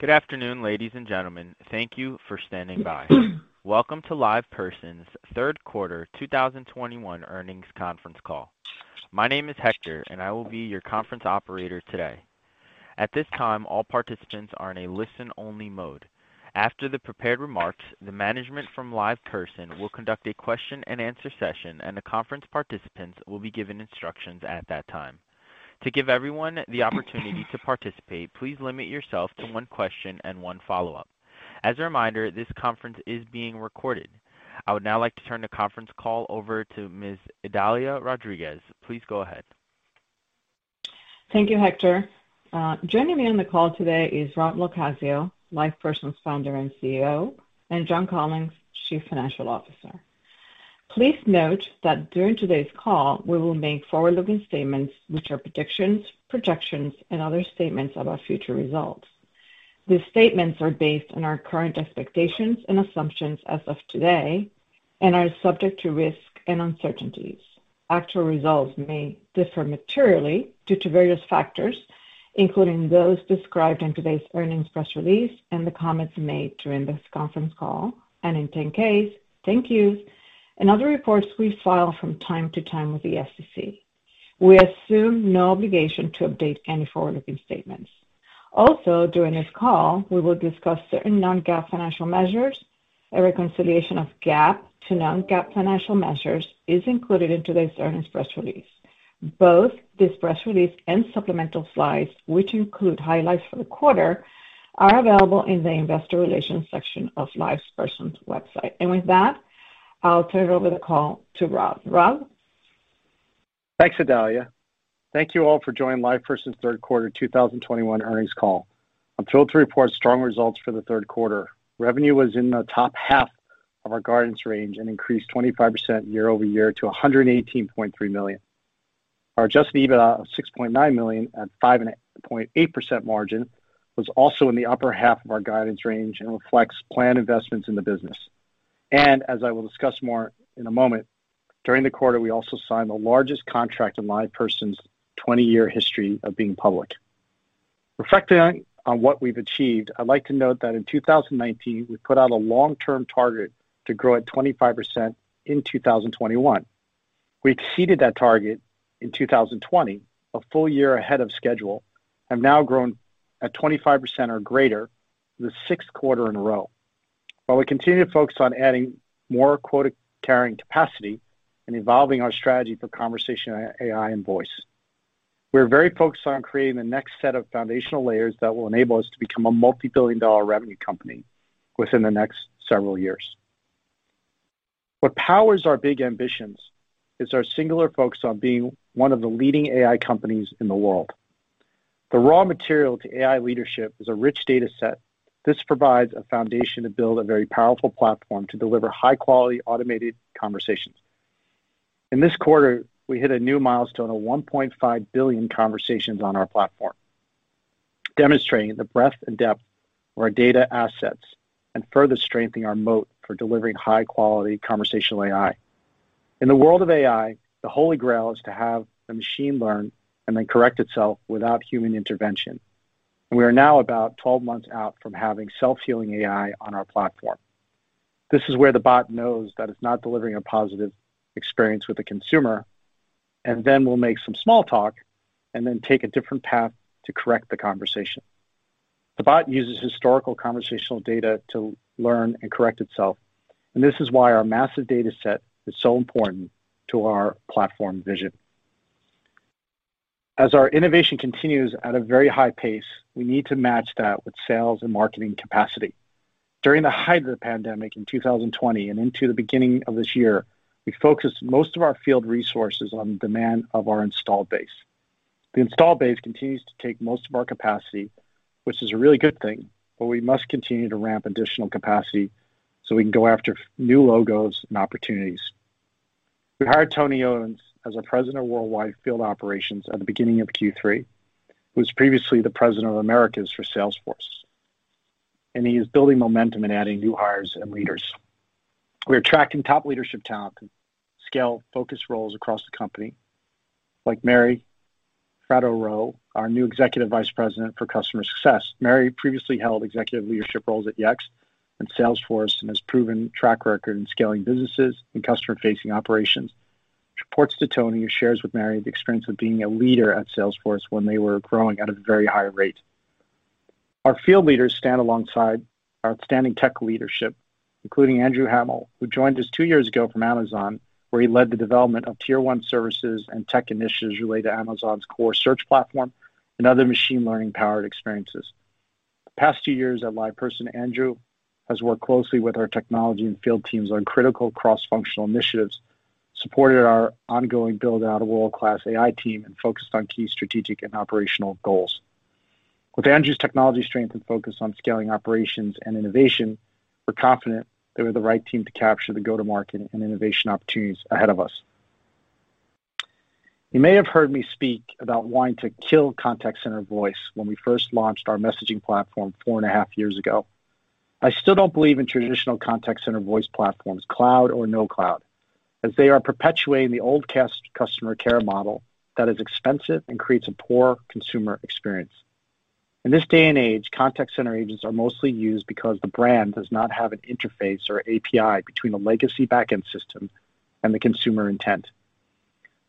Good afternoon, ladies and gentlemen. Thank you for standing by. Welcome to LivePerson's third quarter 2021 earnings conference call. My name is Hector, and I will be your conference operator today. At this time, all participants are in a listen-only mode. After the prepared remarks, the management from LivePerson will conduct a question and answer session, and the conference participants will be given instructions at that time. To give everyone the opportunity to participate, please limit yourself to one question and one follow-up. As a reminder, this conference is being recorded. I would now like to turn the conference call over to Ms. Idalia Rodriguez. Please go ahead. Thank you, Hector. Joining me on the call today is Rob LoCascio, LivePerson's Founder and CEO, and John Collins, Chief Financial Officer. Please note that during today's call, we will make forward-looking statements which are predictions, projections, and other statements about future results. These statements are based on our current expectations and assumptions as of today and are subject to risk and uncertainties. Actual results may differ materially due to various factors, including those described in today's earnings press release and the comments made during this conference call and in 10-Ks and 10-Qs and other reports we file from time to time with the SEC. We assume no obligation to update any forward-looking statements. Also, during this call, we will discuss certain non-GAAP financial measures. A reconciliation of GAAP to non-GAAP financial measures is included in today's earnings press release. Both this press release and supplemental slides, which include highlights for the quarter, are available in the investor relations section of LivePerson's website. With that, I'll turn over the call to Rob. Rob? Thanks, Idalia. Thank you all for joining LivePerson's third quarter 2021 earnings call. I'm thrilled to report strong results for the third quarter. Revenue was in the top half of our guidance range and increased 25% year-over-year to $118.3 million. Our adjusted EBITDA of $6.9 million at 5.8% margin was also in the upper half of our guidance range and reflects planned investments in the business. As I will discuss more in a moment, during the quarter, we also signed the largest contract in LivePerson's 20-year history of being public. Reflecting on what we've achieved, I'd like to note that in 2019, we put out a long-term target to grow at 25% in 2021. We exceeded that target in 2020, a full year ahead of schedule. We have now grown at 25% or greater for the sixth quarter in a row. While we continue to focus on adding more quota-carrying capacity and evolving our strategy for conversational AI and voice, we're very focused on creating the next set of foundational layers that will enable us to become a multi-billion dollar revenue company within the next several years. What powers our big ambitions is our singular focus on being one of the leading AI companies in the world. The raw material to AI leadership is a rich data set. This provides a foundation to build a very powerful platform to deliver high-quality automated conversations. In this quarter, we hit a new milestone of 1.5 billion conversations on our platform, demonstrating the breadth and depth of our data assets and further strengthening our moat for delivering high-quality conversational AI. In the world of AI, the holy grail is to have the machine learn and then correct itself without human intervention. We are now about 12 months out from having self-healing AI on our platform. This is where the bot knows that it's not delivering a positive experience with the consumer, and then will make some small talk and then take a different path to correct the conversation. The bot uses historical conversational data to learn and correct itself, and this is why our massive data set is so important to our platform vision. As our innovation continues at a very high pace, we need to match that with sales and marketing capacity. During the height of the pandemic in 2020 and into the beginning of this year, we focused most of our field resources on demand of our installed base. The installed base continues to take most of our capacity, which is a really good thing, but we must continue to ramp additional capacity so we can go after new logos and opportunities. We hired Tony Owens as our President of Worldwide Field Operations at the beginning of Q3, who was previously the president of Americas for Salesforce, and he is building momentum and adding new hires and leaders. We are attracting top leadership talent and scale-focused roles across the company, like Mary Fratto-Rowe, our new Executive Vice President for Customer Success. Mary previously held executive leadership roles at Yext and Salesforce and has proven track record in scaling businesses and customer-facing operations. She reports to Tony, who shares with Mary the experience of being a leader at Salesforce when they were growing at a very high rate. Our field leaders stand alongside our outstanding tech leadership, including Andrew Hamel, who joined us two years ago from Amazon, where he led the development of tier one services and tech initiatives related to Amazon's core search platform and other machine learning-powered experiences. The past two years at LivePerson, Andrew has worked closely with our technology and field teams on critical cross-functional initiatives, supported our ongoing build-out of world-class AI team, and focused on key strategic and operational goals. With Andrew's technology strength and focus on scaling operations and innovation, we're confident that we have the right team to capture the go-to-market and innovation opportunities ahead of us. You may have heard me speak about wanting to kill contact center voice when we first launched our messaging platform four and a half years ago. I still don't believe in traditional contact center voice platforms, cloud or no cloud, as they are perpetuating the old cost customer care model that is expensive and creates a poor consumer experience. In this day and age, contact center agents are mostly used because the brand does not have an interface or API between a legacy back-end system and the consumer intent.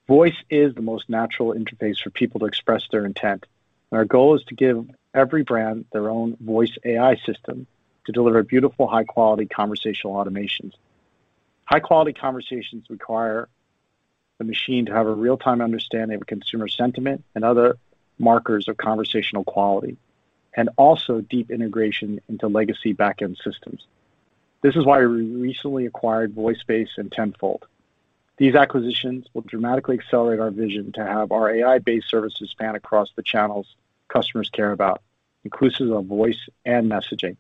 Voice is the most natural interface for people to express their intent, and our goal is to give every brand their own voice AI system to deliver beautiful, high-quality conversational automations. High-quality conversations require the machine to have a real-time understanding of consumer sentiment and other markers of conversational quality, and also deep integration into legacy back-end systems. This is why we recently acquired VoiceBase and Tenfold. These acquisitions will dramatically accelerate our vision to have our AI-based services span across the channels customers care about, inclusive of voice and messaging.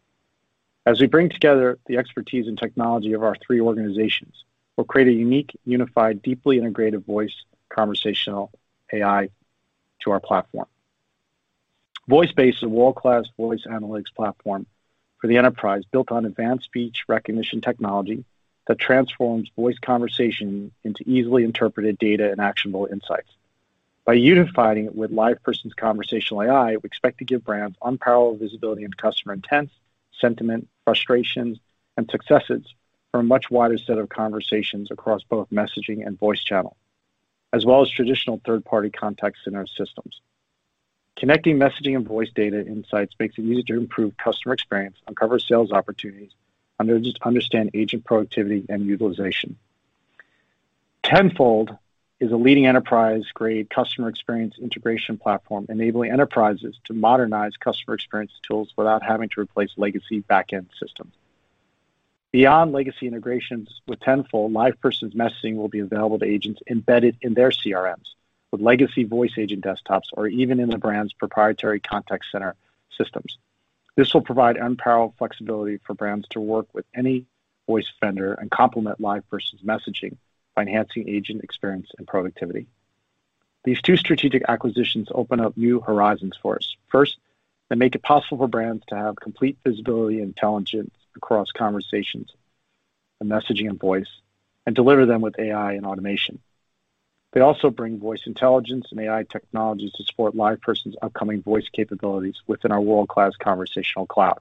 As we bring together the expertise and technology of our three organizations, we'll create a unique, unified, deeply integrated voice conversational AI to our platform. VoiceBase is a world-class voice analytics platform for the enterprise, built on advanced speech recognition technology that transforms voice conversation into easily interpreted data and actionable insights. By unifying it with LivePerson's conversational AI, we expect to give brands unparalleled visibility into customer intents, sentiment, frustrations, and successes for a much wider set of conversations across both messaging and voice channel, as well as traditional third-party contact center systems. Connecting messaging and voice data insights makes it easier to improve customer experience, uncover sales opportunities, and just understand agent productivity and utilization. Tenfold is a leading enterprise-grade customer experience integration platform, enabling enterprises to modernize customer experience tools without having to replace legacy back-end systems. Beyond legacy integrations with Tenfold, LivePerson's messaging will be available to agents embedded in their CRMs with legacy voice agent desktops or even in the brand's proprietary contact center systems. This will provide unparalleled flexibility for brands to work with any voice vendor and complement LivePerson's messaging by enhancing agent experience and productivity. These two strategic acquisitions open up new horizons for us. First, they make it possible for brands to have complete visibility and intelligence across conversations and messaging and voice and deliver them with AI and automation. They also bring voice intelligence and AI technologies to support LivePerson's upcoming voice capabilities within our world-class Conversational Cloud.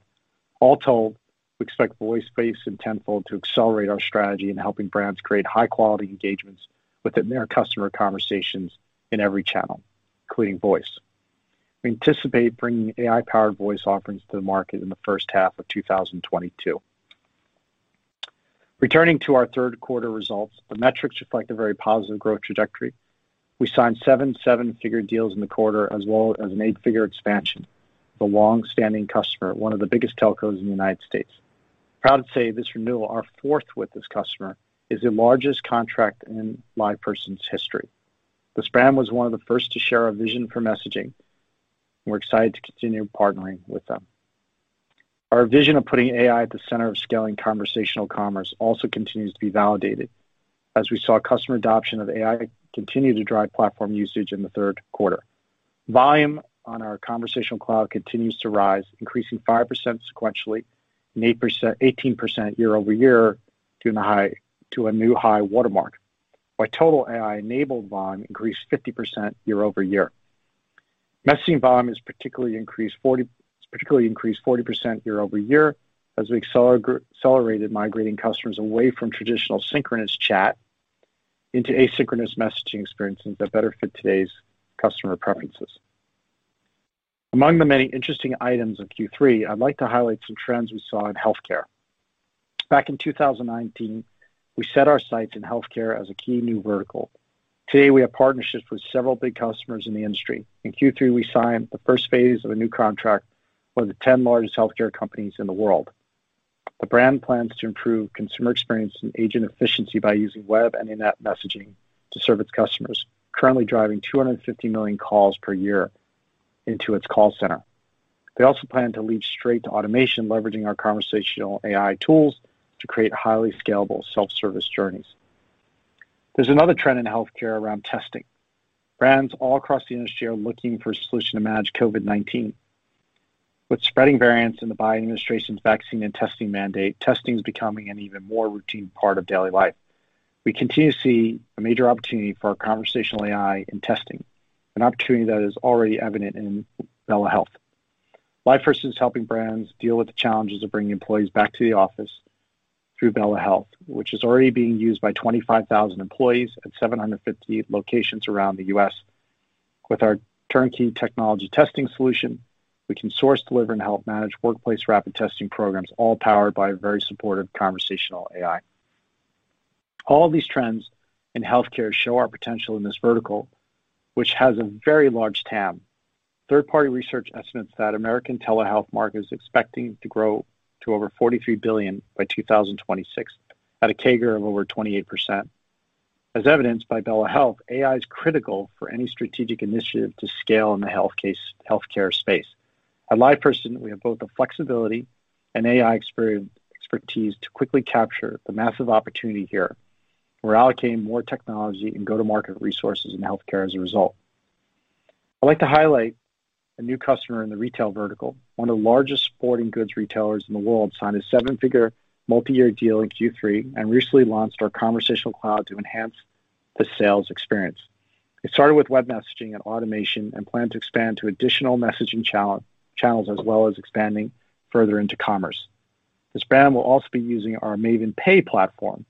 All told, we expect VoiceBase and Tenfold to accelerate our strategy in helping brands create high-quality engagements within their customer conversations in every channel, including voice. We anticipate bringing AI-powered voice offerings to the market in the first half of 2022. Returning to our third quarter results, the metrics reflect a very positive growth trajectory. We signed seven-figure deals in the quarter, as well as an eight-figure expansion with a long-standing customer, one of the biggest telcos in the United States. Proud to say this renewal, our fourth with this customer, is the largest contract in LivePerson's history. This brand was one of the first to share our vision for messaging, and we're excited to continue partnering with them. Our vision of putting AI at the center of scaling conversational commerce also continues to be validated as we saw customer adoption of AI continue to drive platform usage in the third quarter. Volume on our Conversational Cloud continues to rise, increasing 5% sequentially and 18% year-over-year to a new high watermark, while total AI-enabled volume increased 50% year-over-year. Messaging volume is particularly increased 40% year-over-year as we accelerated migrating customers away from traditional synchronous chat into asynchronous messaging experiences that better fit today's customer preferences. Among the many interesting items in Q3, I'd like to highlight some trends we saw in healthcare. Back in 2019, we set our sights in healthcare as a key new vertical. Today, we have partnerships with several big customers in the industry. In Q3, we signed the first phase of a new contract with the 10 largest healthcare companies in the world. The brand plans to improve consumer experience and agent efficiency by using web and in-app messaging to serve its customers, currently driving 250 million calls per year into its call center. They also plan to leap straight to automation, leveraging our conversational AI tools to create highly scalable self-service journeys. There's another trend in healthcare around testing. Brands all across the industry are looking for a solution to manage COVID-19. With spreading variants and the Biden administration's vaccine and testing mandate, testing is becoming an even more routine part of daily life. We continue to see a major opportunity for our conversational AI in testing, an opportunity that is already evident in Bella Health. LivePerson is helping brands deal with the challenges of bringing employees back to the office through Bella Health, which is already being used by 25,000 employees at 750 locations around the U.S. With our turnkey technology testing solution, we can source, deliver, and help manage workplace rapid testing programs, all powered by a very supportive conversational AI. All these trends in healthcare show our potential in this vertical, which has a very large TAM. Third-party research estimates that American telehealth market is expecting to grow to over $43 billion by 2026 at a CAGR of over 28%. As evidenced by Bella Health, AI is critical for any strategic initiative to scale in the healthcare space. At LivePerson, we have both the flexibility and AI expertise to quickly capture the massive opportunity here. We're allocating more technology and go-to-market resources in healthcare as a result. I'd like to highlight a new customer in the retail vertical. One of the largest sporting goods retailers in the world signed a seven-figure multi-year deal in Q3 and recently launched our Conversational Cloud to enhance the sales experience. It started with web messaging and automation and plan to expand to additional messaging channels as well as expanding further into commerce. This brand will also be using our Maven Pay platform,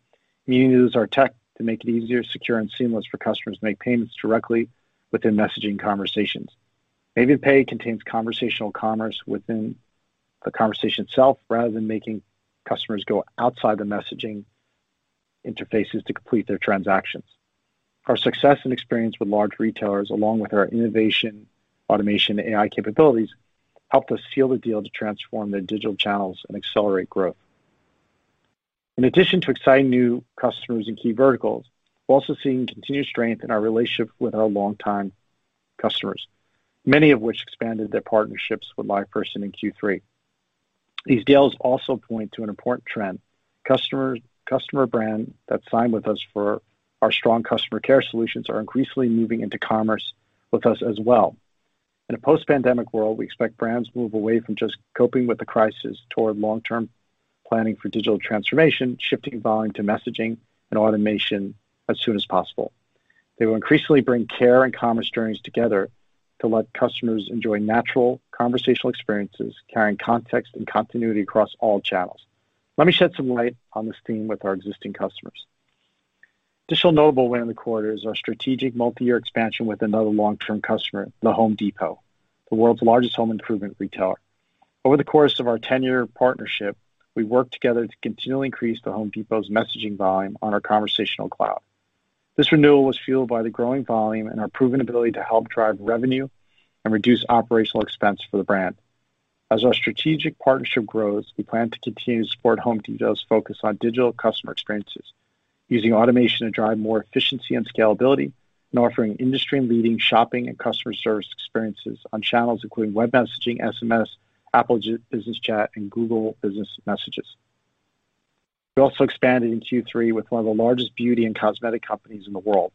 meaning to use our tech to make it easier, secure, and seamless for customers to make payments directly within messaging conversations. Maven Pay contains conversational commerce within the conversation itself, rather than making customers go outside the messaging interfaces to complete their transactions. Our success and experience with large retailers, along with our innovation, automation, and AI capabilities, helped us seal the deal to transform their digital channels and accelerate growth. In addition to exciting new customers in key verticals, we're also seeing continued strength in our relationship with our long-time customers, many of which expanded their partnerships with LivePerson in Q3. These deals also point to an important trend. Customer brand that signed with us for our strong customer care solutions are increasingly moving into commerce with us as well. In a post-pandemic world, we expect brands to move away from just coping with the crisis toward long-term planning for digital transformation, shifting volume to messaging and automation as soon as possible. They will increasingly bring care and commerce journeys together to let customers enjoy natural conversational experiences, carrying context and continuity across all channels. Let me shed some light on this theme with our existing customers. Additional notable win in the quarter is our strategic multi-year expansion with another long-term customer, The Home Depot, the world's largest home improvement retailer. Over the course of our ten-year partnership, we worked together to continually increase The Home Depot's messaging volume on our Conversational Cloud. This renewal was fueled by the growing volume and our proven ability to help drive revenue and reduce operational expense for the brand. As our strategic partnership grows, we plan to continue to support Home Depot's focus on digital customer experiences using automation to drive more efficiency and scalability in offering industry-leading shopping and customer service experiences on channels including web messaging, SMS, Apple Business Chat, and Google Business Messages. We also expanded in Q3 with one of the largest beauty and cosmetic companies in the world.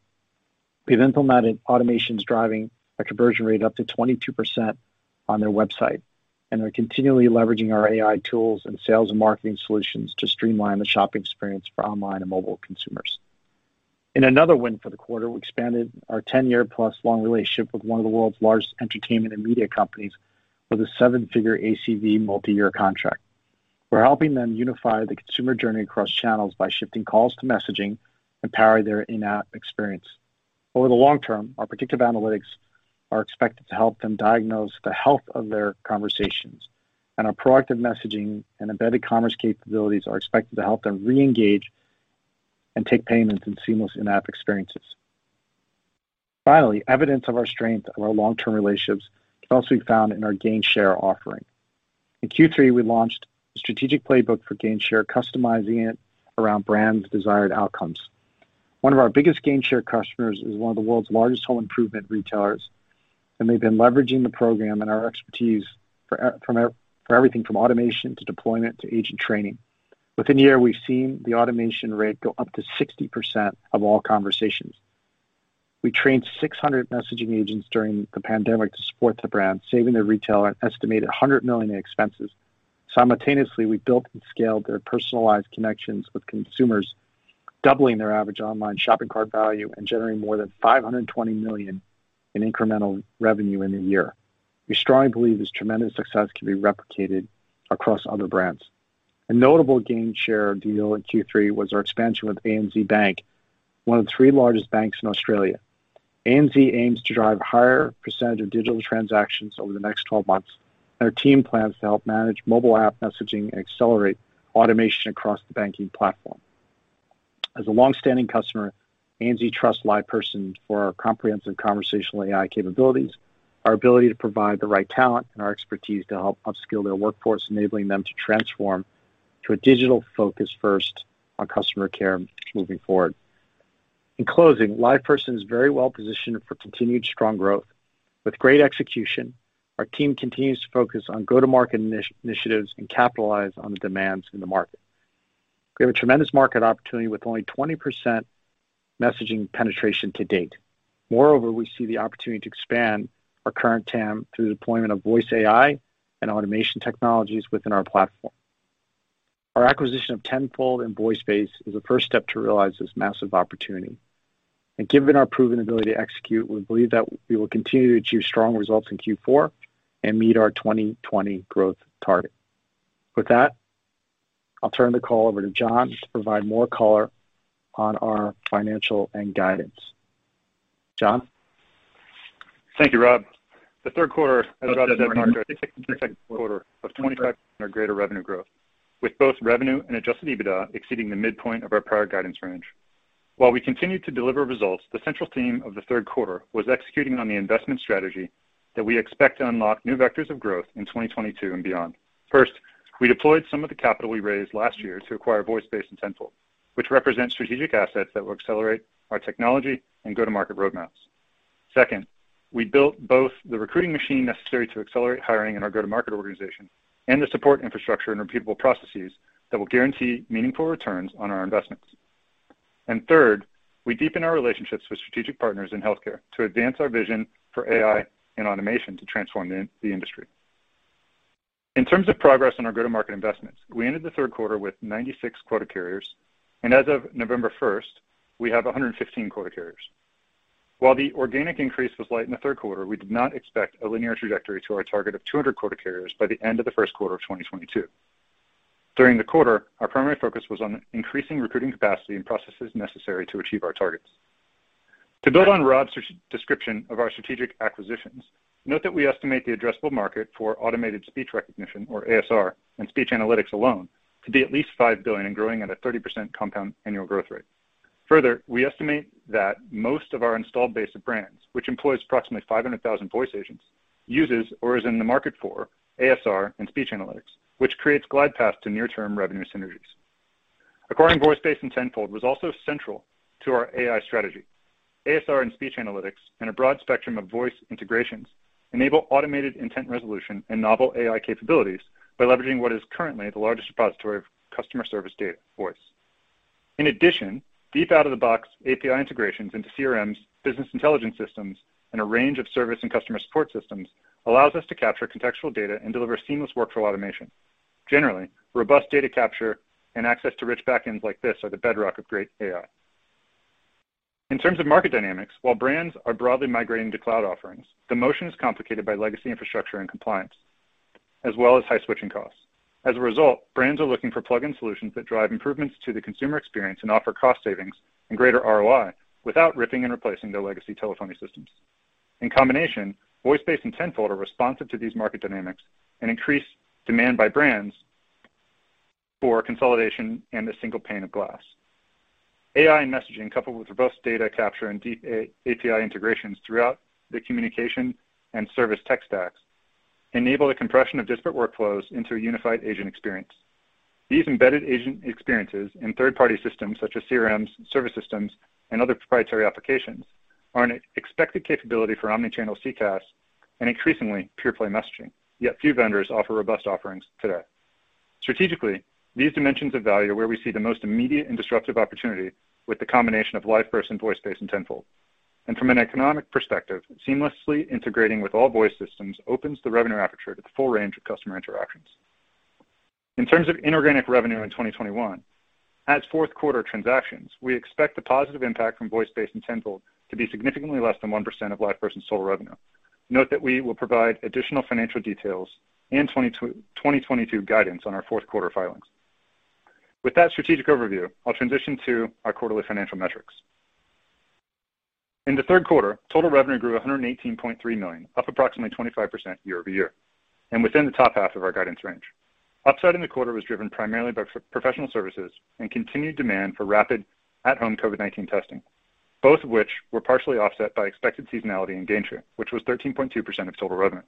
We've implemented automations driving a conversion rate up to 22% on their website, and they're continually leveraging our AI tools and sales and marketing solutions to streamline the shopping experience for online and mobile consumers. In another win for the quarter, we expanded our 10-year-plus-long relationship with one of the world's largest entertainment and media companies with a seven-figure ACV multi-year contract. We're helping them unify the consumer journey across channels by shifting calls to messaging and powering their in-app experience. Over the long term, our predictive analytics are expected to help them diagnose the health of their conversations, and our proactive messaging and embedded commerce capabilities are expected to help them re-engage and take payments in seamless in-app experiences. Finally, evidence of the strength of our long-term relationships can also be found in our Gainshare offering. In Q3, we launched a strategic playbook for Gainshare, customizing it around brand's desired outcomes. One of our biggest Gainshare customers is one of the world's largest home improvement retailers, and they've been leveraging the program and our expertise for everything from automation to deployment to agent training. Within a year, we've seen the automation rate go up to 60% of all conversations. We trained 600 messaging agents during the pandemic to support the brand, saving the retailer an estimated $100 million in expenses. Simultaneously, we built and scaled their personalized connections with consumers, doubling their average online shopping cart value and generating more than $520 million in incremental revenue in a year. We strongly believe this tremendous success can be replicated across other brands. A notable Gainshare deal in Q3 was our expansion with ANZ Bank, one of the three largest banks in Australia. ANZ aims to drive a higher percentage of digital transactions over the next 12 months, and our team plans to help manage mobile app messaging and accelerate automation across the banking platform. As a long-standing customer, ANZ trusts LivePerson for our comprehensive conversational AI capabilities, our ability to provide the right talent, and our expertise to help upskill their workforce, enabling them to transform to a digital focus first on customer care moving forward. In closing, LivePerson is very well positioned for continued strong growth. With great execution, our team continues to focus on go-to-market initiatives and capitalize on the demands in the market. We have a tremendous market opportunity with only 20% messaging penetration to date. Moreover, we see the opportunity to expand our current TAM through the deployment of voice AI and automation technologies within our platform. Our acquisition of Tenfold and VoiceBase is the first step to realize this massive opportunity. Given our proven ability to execute, we believe that we will continue to achieve strong results in Q4 and meet our 2020 growth target. With that, I'll turn the call over to John to provide more color on our financial and guidance. John? Thank you, Rob. The third quarter, as Rob said, marked our 62nd quarter of 25 or greater revenue growth, with both revenue and adjusted EBITDA exceeding the midpoint of our prior guidance range. While we continued to deliver results, the central theme of the third quarter was executing on the investment strategy that we expect to unlock new vectors of growth in 2022 and beyond. First, we deployed some of the capital we raised last year to acquire VoiceBase and Tenfold, which represent strategic assets that will accelerate our technology and go-to-market roadmaps. Second, we built both the recruiting machine necessary to accelerate hiring in our go-to-market organization and the support infrastructure and repeatable processes that will guarantee meaningful returns on our investments. Third, we deepen our relationships with strategic partners in healthcare to advance our vision for AI and automation to transform the industry. In terms of progress on our go-to-market investments, we ended the third quarter with 96 quota carriers, and as of 1st November, we have 115 quota carriers. While the organic increase was light in the third quarter, we did not expect a linear trajectory to our target of 200 quota carriers by the end of the first quarter of 2022. During the quarter, our primary focus was on increasing recruiting capacity and processes necessary to achieve our targets. To build on Rob's description of our strategic acquisitions, note that we estimate the addressable market for automated speech recognition or ASR and speech analytics alone to be at least $5 billion and growing at a 30% compound annual growth rate. Further, we estimate that most of our installed base of brands, which employs approximately 500,000 voice agents, uses or is in the market for ASR and speech analytics, which creates glide path to near-term revenue synergies. Acquiring VoiceBase and Tenfold was also central to our AI strategy. ASR and speech analytics, and a broad spectrum of voice integrations enable automated intent resolution and novel AI capabilities by leveraging what is currently the largest repository of customer service data voice. In addition, deep out-of-the-box API integrations into CRMs, business intelligence systems, and a range of service and customer support systems allows us to capture contextual data and deliver seamless workflow automation. Generally, robust data capture and access to rich backends like this are the bedrock of great AI. In terms of market dynamics, while brands are broadly migrating to cloud offerings, the motion is complicated by legacy infrastructure and compliance, as well as high switching costs. As a result, brands are looking for plug-in solutions that drive improvements to the consumer experience and offer cost savings and greater ROI without ripping and replacing their legacy telephony systems. In combination, VoiceBase and Tenfold are responsive to these market dynamics and increase demand by brands for consolidation and a single pane of glass. AI and messaging, coupled with robust data capture and deep API integrations throughout the communication and service tech stacks, enable the compression of disparate workflows into a unified agent experience. These embedded agent experiences in third-party systems such as CRMs, service systems, and other proprietary applications are an expected capability for omni-channel CCaaS and increasingly pure-play messaging, yet few vendors offer robust offerings today. Strategically, these dimensions of value are where we see the most immediate and disruptive opportunity with the combination of LivePerson, VoiceBase, and Tenfold. From an economic perspective, seamlessly integrating with all voice systems opens the revenue aperture to the full range of customer interactions. In terms of inorganic revenue in 2021, as fourth quarter transactions, we expect the positive impact from VoiceBase and Tenfold to be significantly less than 1% of LivePerson's total revenue. Note that we will provide additional financial details in 2022 guidance on our fourth quarter filings. With that strategic overview, I'll transition to our quarterly financial metrics. In the third quarter, total revenue grew $118.3 million, up approximately 25% year-over-year, and within the top half of our guidance range. Upside in the quarter was driven primarily by professional services and continued demand for rapid at-home COVID-19 testing, both of which were partially offset by expected seasonality in Gainshare, which was 13.2% of total revenue.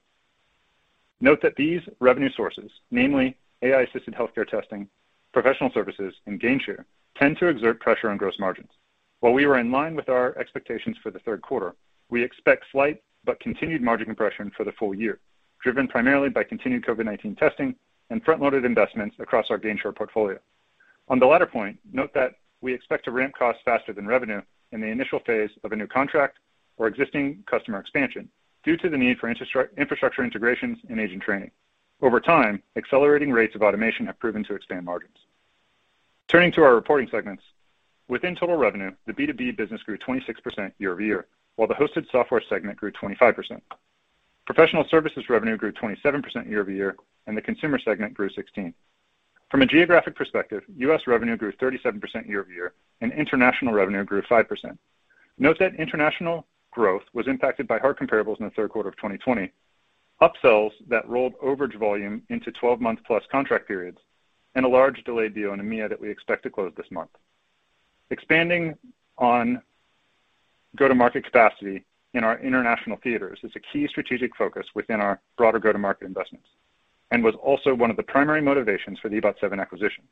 Note that these revenue sources, namely AI-assisted healthcare testing, professional services, and Gainshare, tend to exert pressure on gross margins. While we were in line with our expectations for the third quarter, we expect slight but continued margin compression for the full year, driven primarily by continued COVID-19 testing and front-loaded investments across our Gainshare portfolio. On the latter point, note that we expect to ramp costs faster than revenue in the initial phase of a new contract or existing customer expansion due to the need for infrastructure integrations and agent training. Over time, accelerating rates of automation have proven to expand margins. Turning to our reporting segments. Within total revenue, the B2B business grew 26% year over year, while the hosted software segment grew 25%. Professional services revenue grew 27% year over year, and the consumer segment grew 16%. From a geographic perspective, U.S. revenue grew 37% year over year, and international revenue grew 5%. Note that international growth was impacted by hard comparables in the third quarter of 2020, upsells that rolled overage volume into 12-month-plus contract periods, and a large delayed deal in EMEA that we expect to close this month. Expanding on go-to-market capacity in our international theaters is a key strategic focus within our broader go-to-market investments, and was also one of the primary motivations for the e-bot7 acquisition.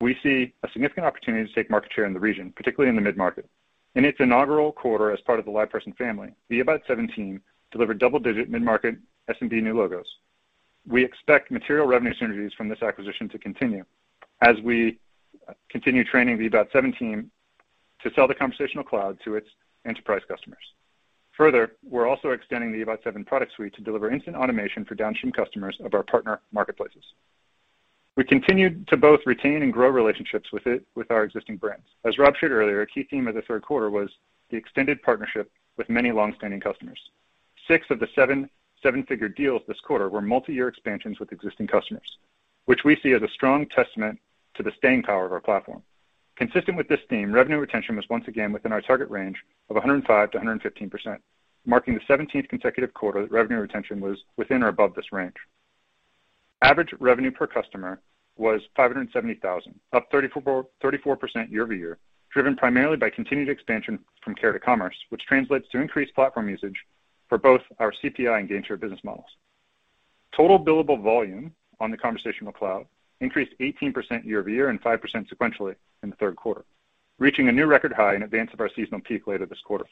We see a significant opportunity to take market share in the region, particularly in the mid-market. In its inaugural quarter as part of the LivePerson family, the e-bot7 team delivered double-digit mid-market SMB new logos. We expect material revenue synergies from this acquisition to continue as we continue training the e-bot7 team to sell the Conversational Cloud to its enterprise customers. Further, we're also extending the e-bot7 product suite to deliver instant automation for downstream customers of our partner marketplaces. We continued to both retain and grow relationships with our existing brands. As Rob shared earlier, a key theme of the third quarter was the extended partnership with many long-standing customers. Six of the seven seven-figure deals this quarter were multi-year expansions with existing customers, which we see as a strong testament to the staying power of our platform. Consistent with this theme, revenue retention was once again within our target range of 105%-115%, marking the 17th consecutive quarter that revenue retention was within or above this range. Average revenue per customer was $570,000, up 34% year-over-year, driven primarily by continued expansion from care to commerce, which translates to increased platform usage for both our CPI and Gainshare business models. Total billable volume on the Conversational Cloud increased 18% year-over-year and 5% sequentially in the third quarter, reaching a new record high in advance of our seasonal peak later this quarter.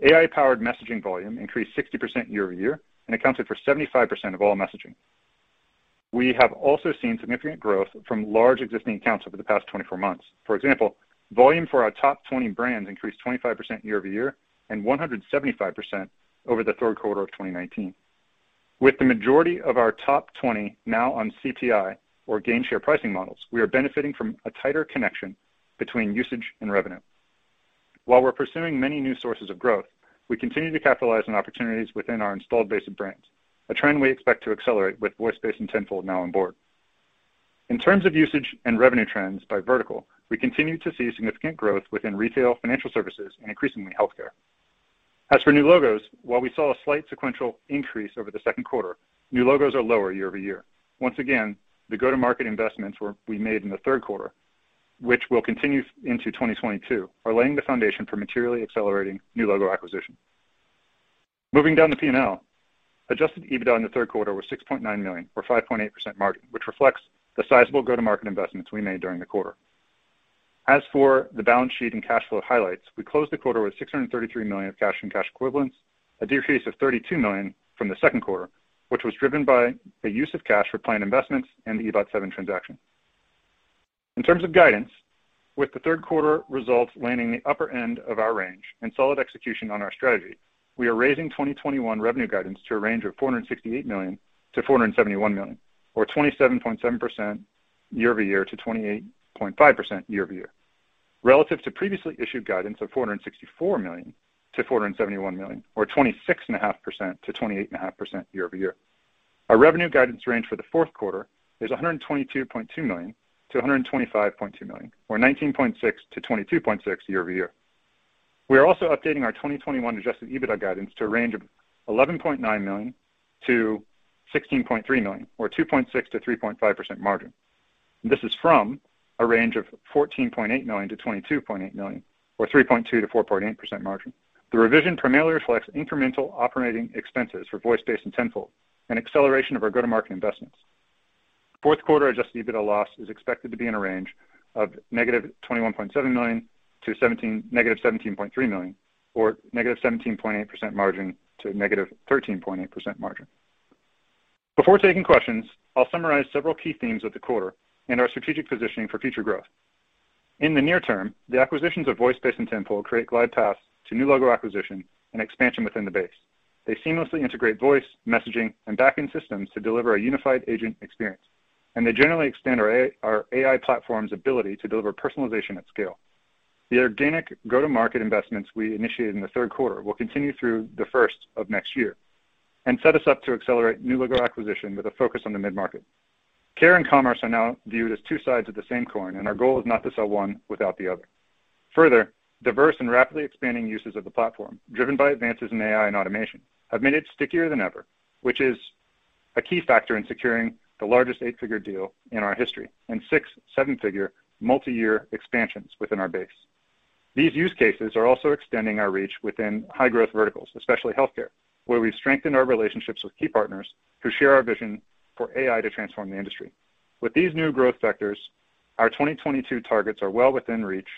AI-powered messaging volume increased 60% year-over-year and accounted for 75% of all messaging. We have also seen significant growth from large existing accounts over the past 24 months. For example, volume for our top 20 brands increased 25% year-over-year and 175% over the third quarter of 2019. With the majority of our top 20 now on CPI or Gainshare pricing models, we are benefiting from a tighter connection between usage and revenue. While we're pursuing many new sources of growth, we continue to capitalize on opportunities within our installed base of brands, a trend we expect to accelerate with VoiceBase and Tenfold now on board. In terms of usage and revenue trends by vertical, we continue to see significant growth within retail, financial services, and increasingly healthcare. As for new logos, while we saw a slight sequential increase over the second quarter, new logos are lower year-over-year. Once again, the go-to-market investments we made in the third quarter, which will continue into 2022, are laying the foundation for materially accelerating new logo acquisition. Moving down the P&L, adjusted EBITDA in the third quarter was $6.9 million or 5.8% margin, which reflects the sizable go-to-market investments we made during the quarter. As for the balance sheet and cash flow highlights, we closed the quarter with $633 million of cash and cash equivalents, a decrease of $32 million from the second quarter, which was driven by the use of cash for planned investments and the e-bot7 transaction. In terms of guidance, with the third quarter results landing the upper end of our range and solid execution on our strategy, we are raising 2021 revenue guidance to a range of $468 million-$471 million, or 27.7% year-over-year to 28.5% year-over-year, relative to previously issued guidance of $464 million-$471 million, or 26.5%-28.5% year-over-year. Our revenue guidance range for the fourth quarter is $122.2 million-$125.2 million or 19.6%-22.6% year-over-year. We are also updating our 2021 adjusted EBITDA guidance to a range of $11.9 million-$16.3 million or 2.6%-3.5% margin. This is from a range of $14.8 million-$22.8 million or 3.2%-4.8% margin. The revision primarily reflects incremental operating expenses for VoiceBase and Tenfold and acceleration of our go-to-market investments. Fourth quarter adjusted EBITDA loss is expected to be in a range of -$21.7 million to -$17.3 million or -17.8% margin to -13.8% margin. Before taking questions, I'll summarize several key themes of the quarter and our strategic positioning for future growth. In the near term, the acquisitions of VoiceBase and Tenfold create glide paths to new logo acquisition and expansion within the base. They seamlessly integrate voice, messaging, and backing systems to deliver a unified agent experience, and they generally extend our AI platform's ability to deliver personalization at scale. The organic go-to-market investments we initiated in the third quarter will continue through the first of next year and set us up to accelerate new logo acquisition with a focus on the mid-market. Care and commerce are now viewed as two sides of the same coin, and our goal is not to sell one without the other. Further, diverse and rapidly expanding uses of the platform, driven by advances in AI and automation, have made it stickier than ever, which is a key factor in securing the largest eight-figure deal in our history and six seven-figure multi-year expansions within our base. These use cases are also extending our reach within high-growth verticals, especially healthcare, where we've strengthened our relationships with key partners who share our vision for AI to transform the industry. With these new growth vectors, our 2022 targets are well within reach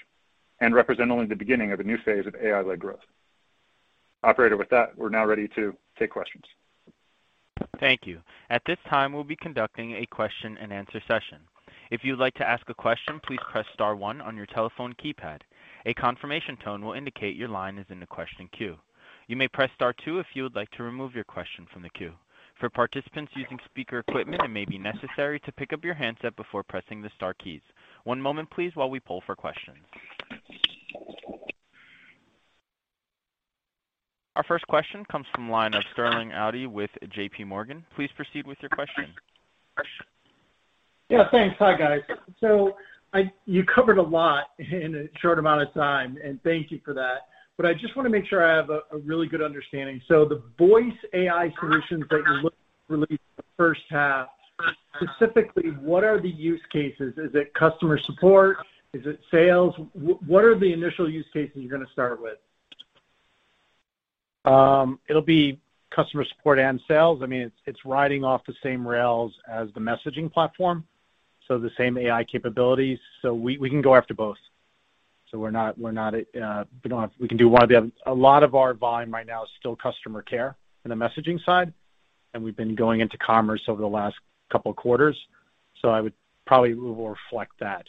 and represent only the beginning of a new phase of AI-led growth. Operator, with that, we're now ready to take questions. Thank you. At this time, we'll be conducting a question and answer session. If you'd like to ask a question, please press star one on your telephone keypad. A confirmation tone will indicate your line is in the question queue. You may press star two if you would like to remove your question from the queue. For participants using speaker equipment, it may be necessary to pick up your handset before pressing the star keys. One moment please while we poll for questions. Our first question comes from the line of Sterling Auty with J.P. Morgan. Please proceed with your question. Yeah, thanks. Hi, guys. You covered a lot in a short amount of time, and thank you for that. I just want to make sure I have a really good understanding. The voice AI solutions that you look to release in the first half, specifically, what are the use cases? Is it customer support? Is it sales? What are the initial use cases you're going to start with? It'll be customer support and sales. I mean, it's riding on the same rails as the messaging platform, so the same AI capabilities. We can go after both. We're not, we can do one. A lot of our volume right now is still customer care in the messaging side, and we've been going into commerce over the last couple of quarters. I would probably we'll reflect that.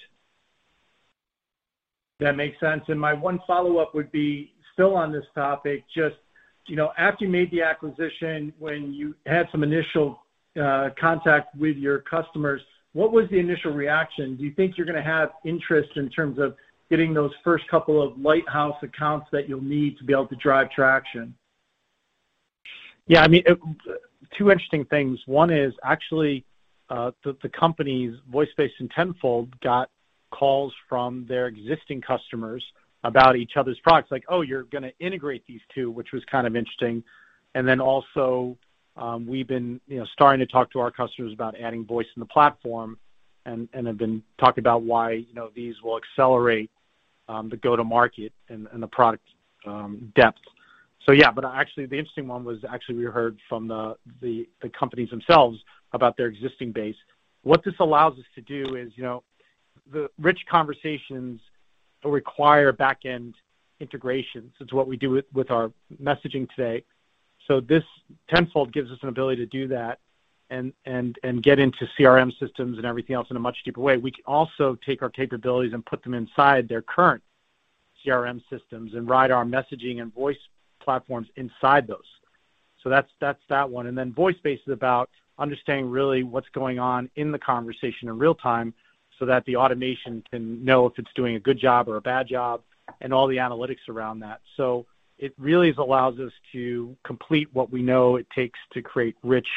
That makes sense. My one follow-up would be still on this topic, just, you know, after you made the acquisition, when you had some initial contact with your customers, what was the initial reaction? Do you think you're gonna have interest in terms of getting those first couple of lighthouse accounts that you'll need to be able to drive traction? Yeah, I mean, two interesting things. One is actually the companies, VoiceBase and Tenfold, got calls from their existing customers about each other's products. Like, "Oh, you're gonna integrate these two," which was kind of interesting. Then also, we've been, you know, starting to talk to our customers about adding voice in the platform and have been talking about why, you know, these will accelerate the go-to-market and the product depth. Yeah, but actually the interesting one was actually we heard from the companies themselves about their existing base. What this allows us to do is, you know, the rich conversations. will require back-end integration. It's what we do with our messaging today. This Tenfold gives us an ability to do that and get into CRM systems and everything else in a much deeper way. We can also take our capabilities and put them inside their current CRM systems and ride our messaging and voice platforms inside those. That's that one. Then VoiceBase is about understanding really what's going on in the conversation in real-time so that the automation can know if it's doing a good job or a bad job, and all the analytics around that. It really is allows us to complete what we know it takes to create rich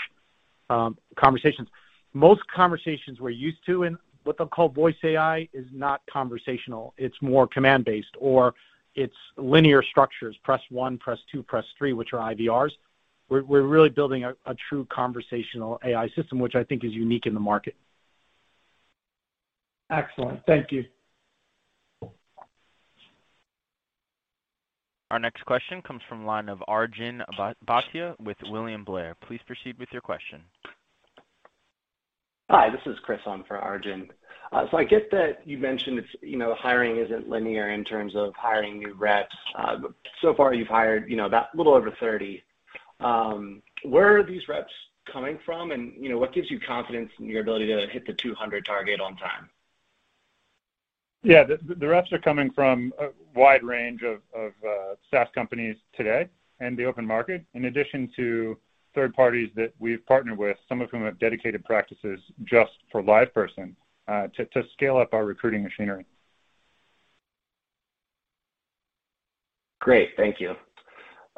conversations. Most conversations we're used to in what they'll call voice AI is not conversational. It's more command-based, or it's linear structures, press one, press two, press three, which are IVRs. We're really building a true conversational AI system, which I think is unique in the market. Excellent. Thank you. Our next question comes from the line of Arjun Bhatia with William Blair. Please proceed with your question. Hi, this is Chris on for Arjun. I get that you mentioned it's, you know, hiring isn't linear in terms of hiring new reps. So far you've hired, you know, about a little over 30. Where are these reps coming from? You know, what gives you confidence in your ability to hit the 200 target on time? Yeah. The reps are coming from a wide range of SaaS companies today and the open market, in addition to third parties that we've partnered with, some of whom have dedicated practices just for LivePerson, to scale up our recruiting machinery. Great. Thank you.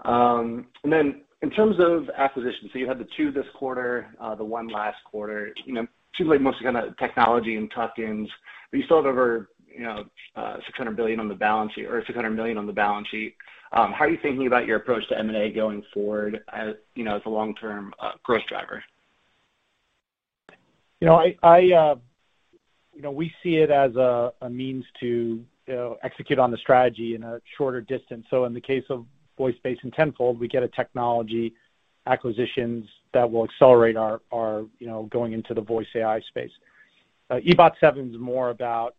In terms of acquisitions, so you had the two this quarter, the one last quarter. You know, seems like most of the technology and tuck-ins, but you still have over, you know, $600 billion on the balance sheet or $600 million on the balance sheet. How are you thinking about your approach to M&A going forward as, you know, as a long-term growth driver? You know, you know, we see it as a means to, you know, execute on the strategy in a shorter distance. In the case of VoiceBase and Tenfold, we get a technology acquisitions that will accelerate our you know, going into the voice AI space. e-bot7 is more about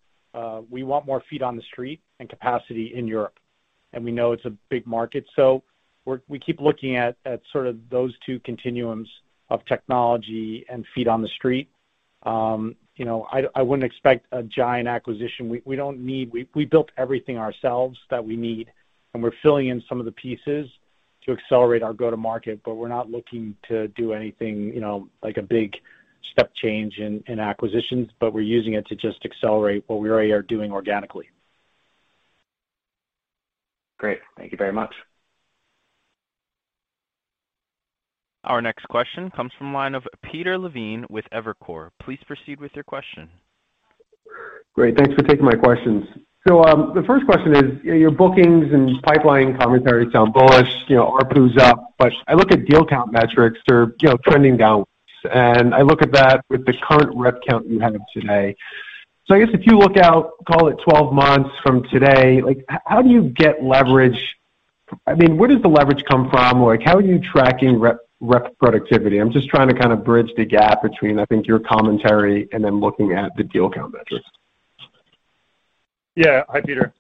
we want more feet on the street and capacity in Europe, and we know it's a big market. We keep looking at at sort of those two continuums of technology and feet on the street. You know, I wouldn't expect a giant acquisition. We don't need We built everything ourselves that we need, and we're filling in some of the pieces to accelerate our go-to-market, but we're not looking to do anything, you know, like a big step change in acquisitions, but we're using it to just accelerate what we already are doing organically. Great. Thank you very much. Our next question comes from the line of Peter Levine with Evercore. Please proceed with your question. Great. Thanks for taking my questions. The first question is, your bookings and pipeline commentary sound bullish, you know, ARPU's up. I look at deal count metrics are, you know, trending downwards, and I look at that with the current rep count you have today. I guess if you look out, call it 12 months from today, like, how do you get leverage? I mean, where does the leverage come from? Like, how are you tracking rep productivity? I'm just trying to kind of bridge the gap between, I think, your commentary and then looking at the deal count metrics. Yeah. Hi, Peter.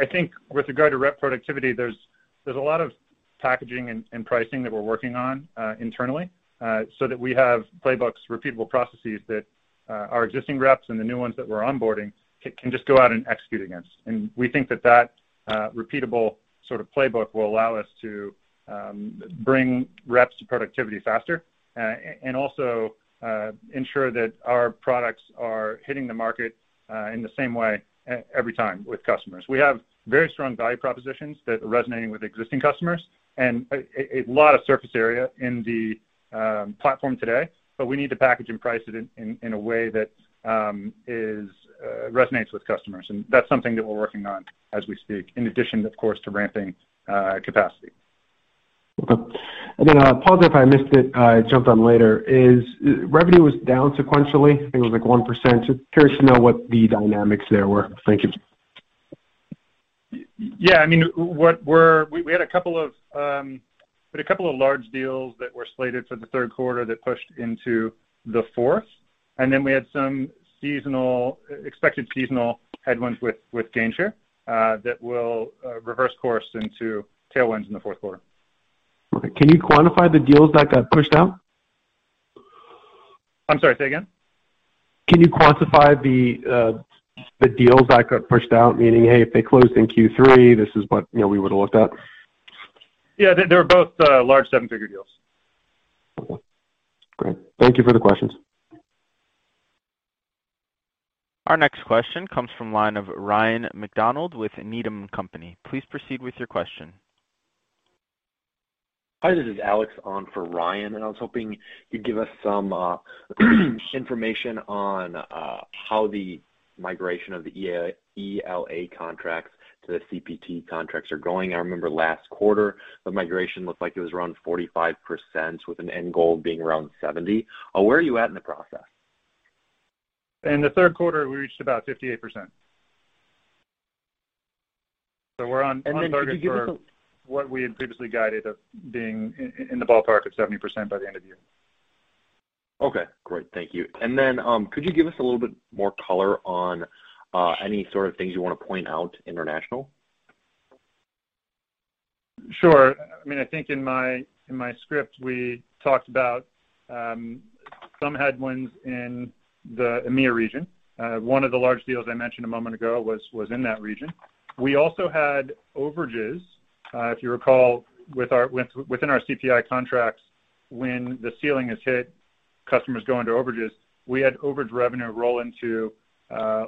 I think with regard to rep productivity, there's a lot of packaging and pricing that we're working on internally, so that we have playbooks, repeatable processes that our existing reps and the new ones that we're onboarding can just go out and execute against. We think that repeatable sort of playbook will allow us to bring reps to productivity faster and also ensure that our products are hitting the market in the same way every time with customers. We have very strong value propositions that are resonating with existing customers and a lot of surface area in the platform today, but we need to package and price it in a way that resonates with customers, and that's something that we're working on as we speak, in addition, of course, to ramping capacity. Okay. Pause if I missed it, jump on later, is revenue was down sequentially. I think it was like 1%. Just curious to know what the dynamics there were. Thank you. I mean, we had a couple of large deals that were slated for the third quarter that pushed into the fourth, and then we had some expected seasonal headwinds with Gainshare that will reverse course into tailwinds in the fourth quarter. Okay. Can you quantify the deals that got pushed out? I'm sorry, say again. Can you quantify the deals that got pushed out? Meaning, hey, if they closed in Q3, this is what, you know, we would've looked at. Yeah. They were both large seven-figure deals. Okay. Great. Thank you for the questions. Our next question comes from the line of Ryan MacWilliams with Needham & Company. Please proceed with your question. Hi, this is Alex on for Ryan, and I was hoping you'd give us some information on how the migration of the ELA contracts to the CPI contracts are going. I remember last quarter, the migration looked like it was around 45% with an end goal being around 70%. Where are you at in the process? In the third quarter, we reached about 58%. We're on target for- Could you give us a What we had previously guided of being in the ballpark of 70% by the end of year. Okay, great. Thank you. Could you give us a little bit more color on any sort of things you want to point out international? Sure. I mean, I think in my script we talked about some headwinds in the EMEA region. One of the large deals I mentioned a moment ago was in that region. We also had overages, if you recall, within our CPI contracts, when the ceiling is hit, customers go into overages. We had overage revenue roll into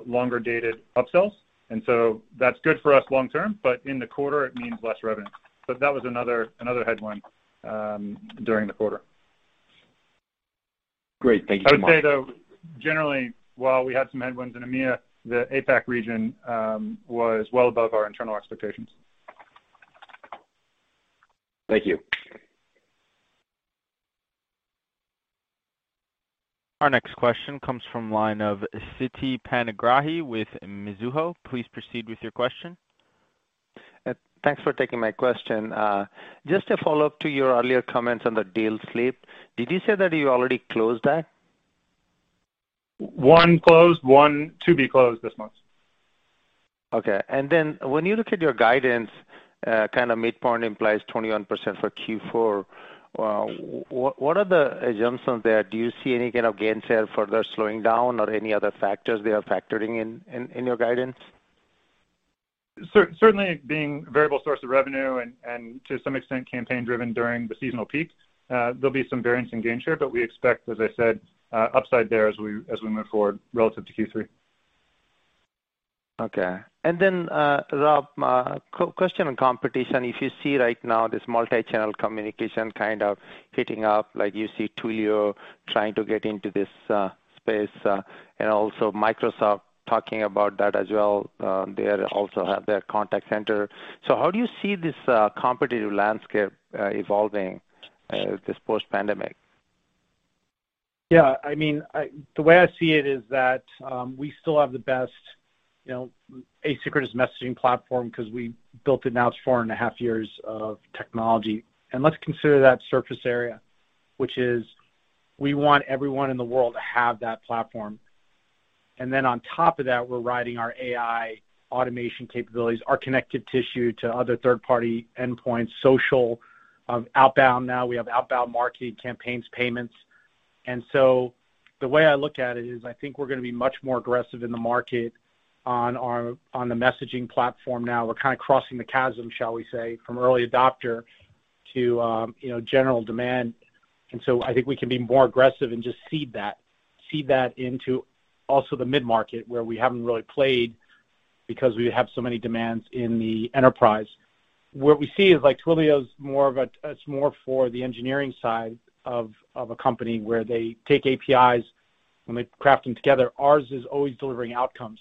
longer-dated upsells, and so that's good for us long term, but in the quarter it means less revenue. That was another headwind during the quarter. Great. Thank you so much. I would say, though, generally, while we had some headwinds in EMEA, the APAC region was well above our internal expectations. Thank you. Our next question comes from the line of Siti Panigrahi with Mizuho. Please proceed with your question. Thanks for taking my question. Just a follow-up to your earlier comments on the deal slip. Did you say that you already closed that? One closed, one to be closed this month. Okay. When you look at your guidance, kind of midpoint implies 21% for Q4, what are the assumptions there? Do you see any kind of Gainshare further slowing down or any other factors that are factoring in your guidance? Certainly being a variable source of revenue and to some extent campaign-driven during the seasonal peak, there'll be some variance in Gainshare, but we expect, as I said, upside there as we move forward relative to Q3. Okay. Rob, question on competition. If you see right now this multi-channel communication kind of hitting up, like you see Twilio trying to get into this space, and also Microsoft talking about that as well, they also have their contact center. How do you see this competitive landscape evolving this post-pandemic? Yeah, I mean, the way I see it is that we still have the best, you know, asynchronous messaging platform because we built it now it's 4.5 years of technology. Let's consider that surface area, which is we want everyone in the world to have that platform. Then on top of that, we're riding our AI automation capabilities, our connective tissue to other third-party endpoints, social, outbound now we have outbound marketing campaigns, payments. The way I look at it is I think we're gonna be much more aggressive in the market on the messaging platform now. We're kind of crossing the chasm, shall we say, from early adopter to, you know, general demand. I think we can be more aggressive and just seed that. Seed that into also the mid-market where we haven't really played because we have so many demands in the enterprise. What we see is like Twilio is more for the engineering side of a company where they take APIs and they craft them together. Ours is always delivering outcomes.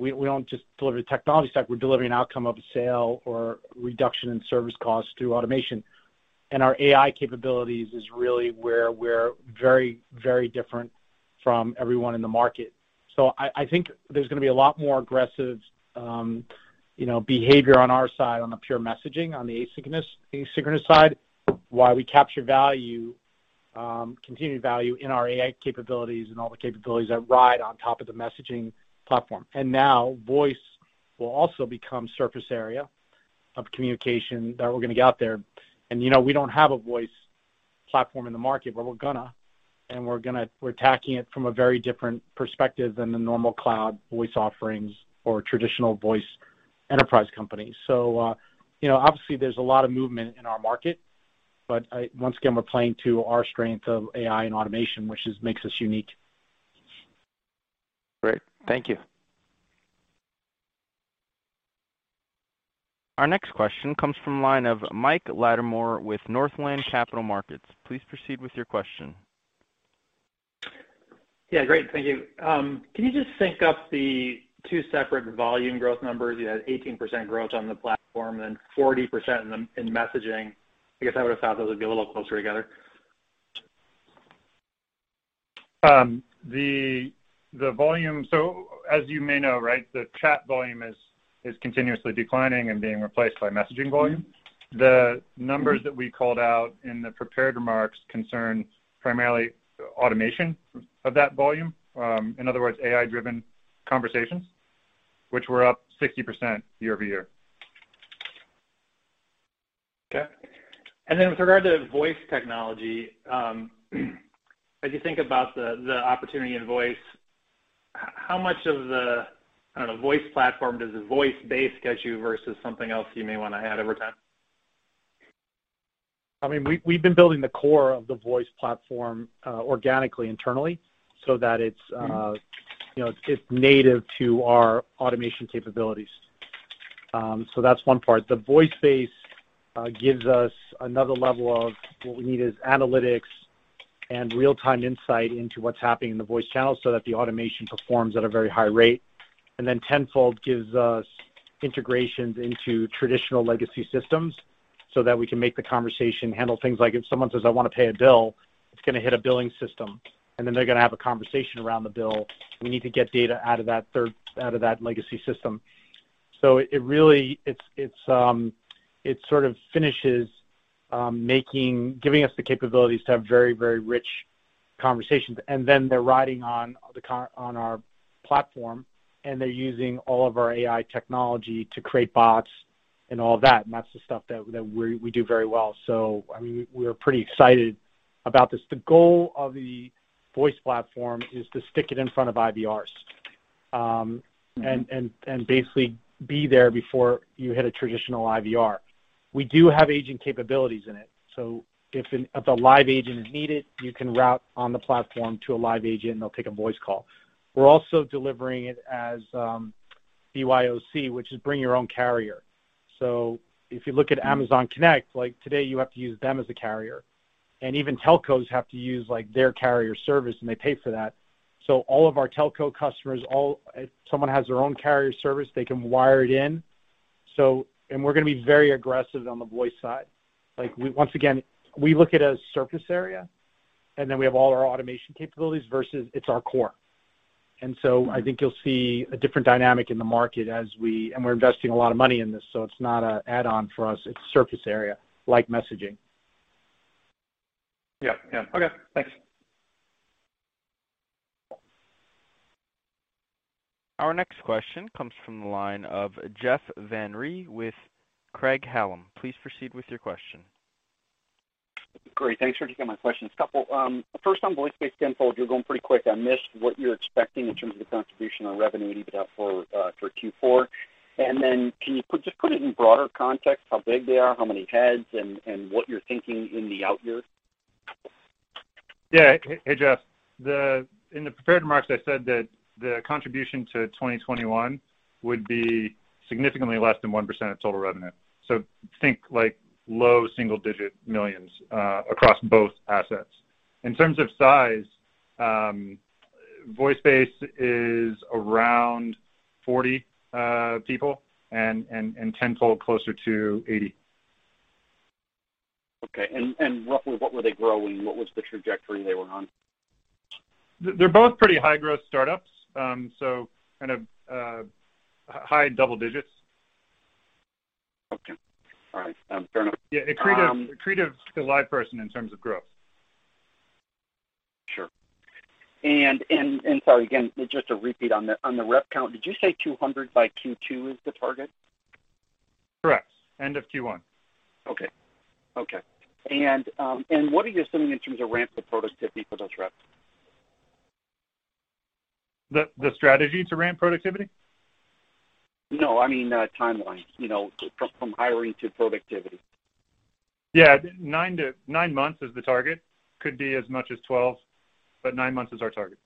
We don't just deliver the technology stack. We're delivering an outcome of a sale or reduction in service costs through automation. And our AI capabilities is really where we're very, very different from everyone in the market. I think there's gonna be a lot more aggressive, you know, behavior on our side on the pure messaging, on the asynchronous side, while we capture value, continued value in our AI capabilities and all the capabilities that ride on top of the messaging platform. Now voice will also become surface area of communication that we're gonna get out there. You know, we don't have a voice platform in the market, but we're gonna attack it from a very different perspective than the normal cloud voice offerings or traditional voice enterprise companies. You know, obviously there's a lot of movement in our market, but once again, we're playing to our strength of AI and automation, which makes us unique. Great. Thank you. Our next question comes from line of Michael Latimore with Northland Capital Markets. Please proceed with your question. Yeah, great. Thank you. Can you just sync up the two separate volume growth numbers? You had 18% growth on the platform and 40% in messaging. I guess I would have thought those would be a little closer together. As you may know, right, the chat volume is continuously declining and being replaced by messaging volume. Mm-hmm. The numbers that we called out in the prepared remarks concern primarily automation of that volume. In other words, AI-driven conversations, which were up 60% year-over-year. Okay. With regard to voice technology, as you think about the opportunity in voice, how much of the, I don't know, voice platform does the VoiceBase get you versus something else you may want to add over time? I mean, we've been building the core of the voice platform organically internally so that it's, you know, it's native to our automation capabilities. That's one part. The VoiceBase gives us another level of what we need is analytics and real-time insight into what's happening in the voice channel so that the automation performs at a very high rate. Then Tenfold gives us integrations into traditional legacy systems so that we can make the conversation handle things like if someone says, "I want to pay a bill," it's gonna hit a billing system, and then they're gonna have a conversation around the bill. We need to get data out of that legacy system. It really sort of finishes giving us the capabilities to have very, very rich conversations. Then they're riding on our platform, and they're using all of our AI technology to create bots and all that, and that's the stuff that we do very well. I mean, we're pretty excited about this. The goal of the voice platform is to stick it in front of IVRs. Mm-hmm Basically be there before you hit a traditional IVR. We do have agent capabilities in it, so if a live agent is needed, you can route on the platform to a live agent, and they'll take a voice call. We're also delivering it as BYOC, which is bring your own carrier. So if you look at Amazon Connect, like, today, you have to use them as a carrier. Even telcos have to use, like, their carrier service, and they pay for that. So all of our telco customers. If someone has their own carrier service, they can wire it in. We're gonna be very aggressive on the voice side. Like, once again, we look at a surface area, and then we have all our automation capabilities versus it's our core. Mm-hmm. I think you'll see a different dynamic in the market. We're investing a lot of money in this, so it's not an add-on for us. It's surface area, like messaging. Yeah. Yeah. Okay. Thanks. Our next question comes from the line of Jeff Van Rhee with Craig-Hallum. Please proceed with your question. Great. Thanks for taking my questions. A couple. First on VoiceBase, Tenfold, you're going pretty quick. I missed what you're expecting in terms of the contribution to revenue, even for Q4. Can you put it in broader context how big they are, how many heads, and what you're thinking in the out years? Hey, Jeff. In the prepared remarks, I said that the contribution to 2021 would be significantly less than 1% of total revenue. Think, like, low single-digit millions across both assets. In terms of size, VoiceBase is around 40 people and Tenfold closer to 80. Okay. Roughly what were they growing? What was the trajectory they were on? They're both pretty high-growth startups, so kind of high double digits. Okay. All right. Fair enough. Yeah. Accretive to LivePerson in terms of growth. Sure. Sorry, again, just a repeat on the rep count, did you say 200 by Q2 is the target? Correct. End of Q1. Okay. What are you assuming in terms of ramp to productivity for those reps? The strategy to ramp productivity? No, I mean, timeline. You know, from hiring to productivity. Yeah. Nine months is the target. Could be as much as 12, but nine months is our target.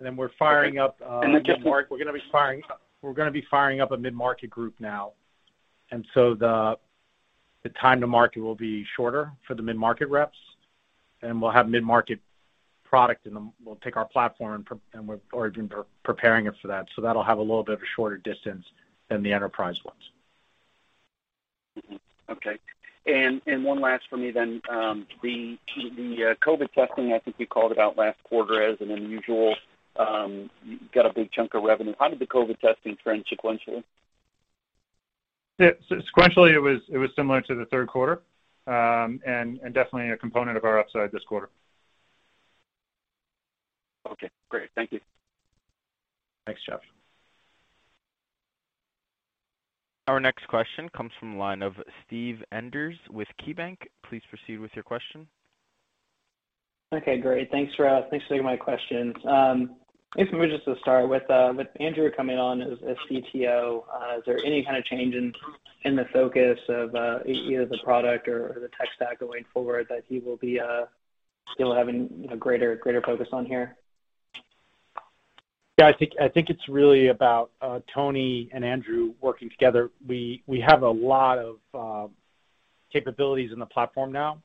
Then we're firing up. Okay. Just mark- We're gonna be firing up a mid-market group now. The time to market will be shorter for the mid-market reps, and we'll have mid-market product, and then we'll take our platform and we've already been preparing it for that. That'll have a little bit of a shorter distance than the enterprise ones. Mm-hmm. Okay. One last for me then. The COVID testing, I think you called it out last quarter as an unusual, you got a big chunk of revenue. How did the COVID testing trend sequentially? Yeah. Sequentially, it was similar to the third quarter, and definitely a component of our upside this quarter. Okay, great. Thank you. Thanks, Jeff. Our next question comes from the line of Steve Enders with KeyBank. Please proceed with your question. Okay, great. Thanks, Rob. Thanks for taking my questions. If we could just to start with Andrew coming on as CTO, is there any kind of change in the focus of either the product or the tech stack going forward that he will be still having a greater focus on here? Yeah, I think it's really about Tony and Andrew working together. We have a lot of capabilities in the platform now,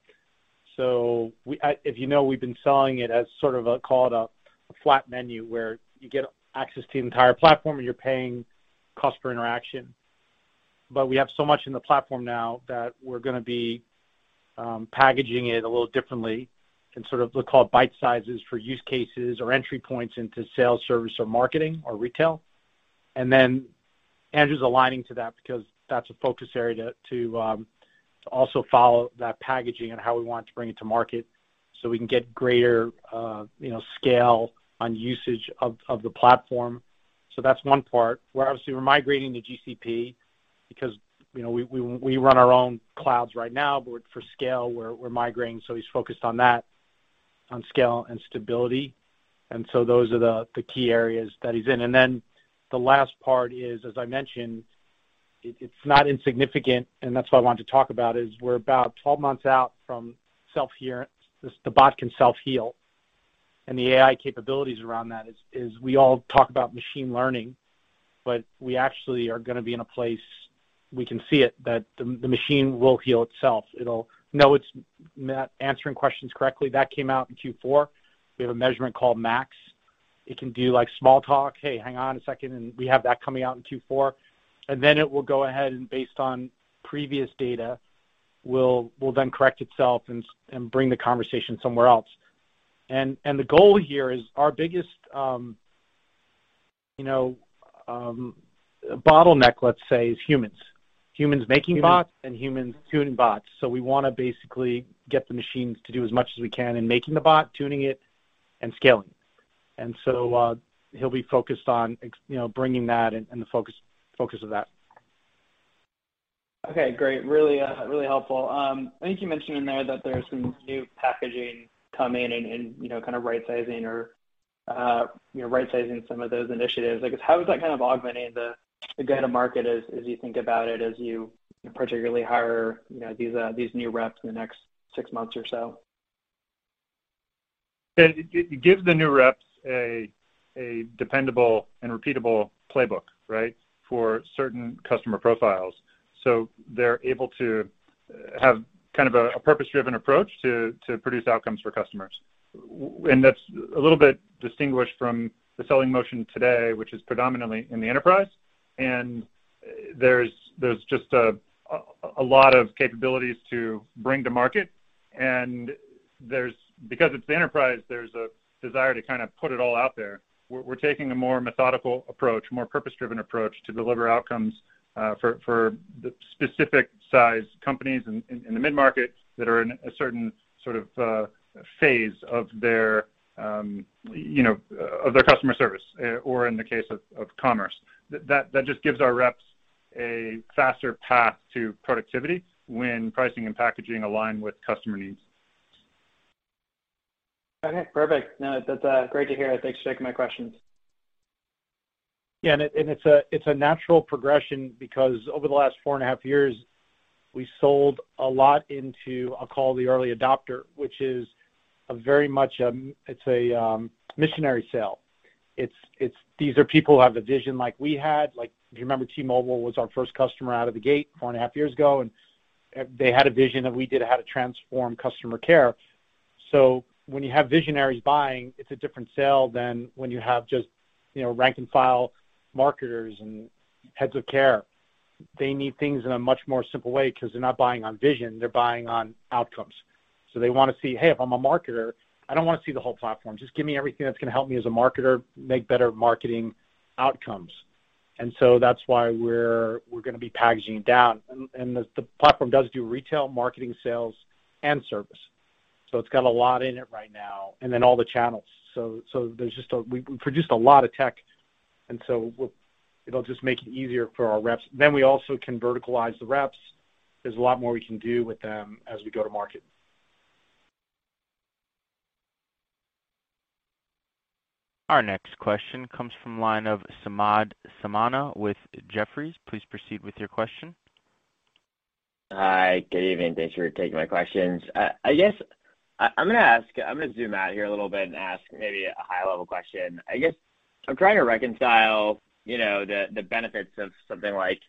so if you know, we've been selling it as sort of a, call it a flat menu, where you get access to the entire platform, and you're paying cost per interaction. But we have so much in the platform now that we're gonna be packaging it a little differently and sort of we'll call it bite sizes for use cases or entry points into sales, service or marketing or retail. Then Andrew's aligning to that because that's a focus area to also follow that packaging and how we want to bring it to market so we can get greater, you know, scale on usage of the platform. That's one part, where obviously we're migrating to GCP because, you know, we run our own clouds right now, but for scale, we're migrating. He's focused on that, on scale and stability. Those are the key areas that he's in. Then the last part is, as I mentioned, it's not insignificant, and that's why I wanted to talk about is we're about 12 months out from self-healing. The bot can self-heal, and the AI capabilities around that is we all talk about machine learning, but we actually are gonna be in a place we can see it that the machine will heal itself. It'll know it's not answering questions correctly. That came out in Q4. We have a measurement called MACS. It can do, like, small talk. Hey, hang on a second," and we have that coming out in Q4. Then it will go ahead and based on previous data will then correct itself and bring the conversation somewhere else. The goal here is our biggest, you know, bottleneck, let's say, is humans. Humans making bots and humans tuning bots. We wanna basically get the machines to do as much as we can in making the bot, tuning it, and scaling. He'll be focused on, you know, bringing that and the focus of that. Okay, great. Really, really helpful. I think you mentioned in there that there's some new packaging coming in, you know, kinda right-sizing some of those initiatives. Like, how is that kind of augmenting the go-to-market as you think about it, as you particularly hire, you know, these new reps in the next six months or so? It gives the new reps a dependable and repeatable playbook, right? For certain customer profiles. They're able to have kind of a purpose-driven approach to produce outcomes for customers. When that's a little bit distinguished from the selling motion today, which is predominantly in the enterprise. There's just a lot of capabilities to bring to market. Because it's the enterprise, there's a desire to kinda put it all out there. We're taking a more methodical approach, more purpose-driven approach, to deliver outcomes for the specific size companies in the mid-market that are in a certain sort of phase of their customer service or in the case of commerce. That just gives our reps a faster path to productivity when pricing and packaging align with customer needs. Okay, perfect. No, that's great to hear. Thanks for taking my questions. Yeah. It's a natural progression because over the last four and a half years, we sold a lot into, I'll call, the early adopter, which is very much a missionary sale. These are people who have a vision like we had. Like, if you remember, T-Mobile was our first customer out of the gate four and a half years ago, and they had a vision that we shared how to transform customer care. When you have visionaries buying, it's a different sale than when you have just, you know, rank and file marketers and heads of care. They need things in a much more simple way 'cause they're not buying on vision, they're buying on outcomes. They wanna see, "Hey, if I'm a marketer, I don't wanna see the whole platform. Just give me everything that's gonna help me as a marketer make better marketing outcomes." That's why we're gonna be packaging it down. The platform does do retail, marketing, sales, and service. It's got a lot in it right now, all the channels. We produced a lot of tech, and so it'll just make it easier for our reps. We also can verticalize the reps. There's a lot more we can do with them as we go to market. Our next question comes from the line of Samad Samana with Jefferies. Please proceed with your question. Hi. Good evening. Thanks for taking my questions. I guess I'm gonna zoom out here a little bit and ask maybe a high-level question. I guess I'm trying to reconcile, you know, the benefits of something like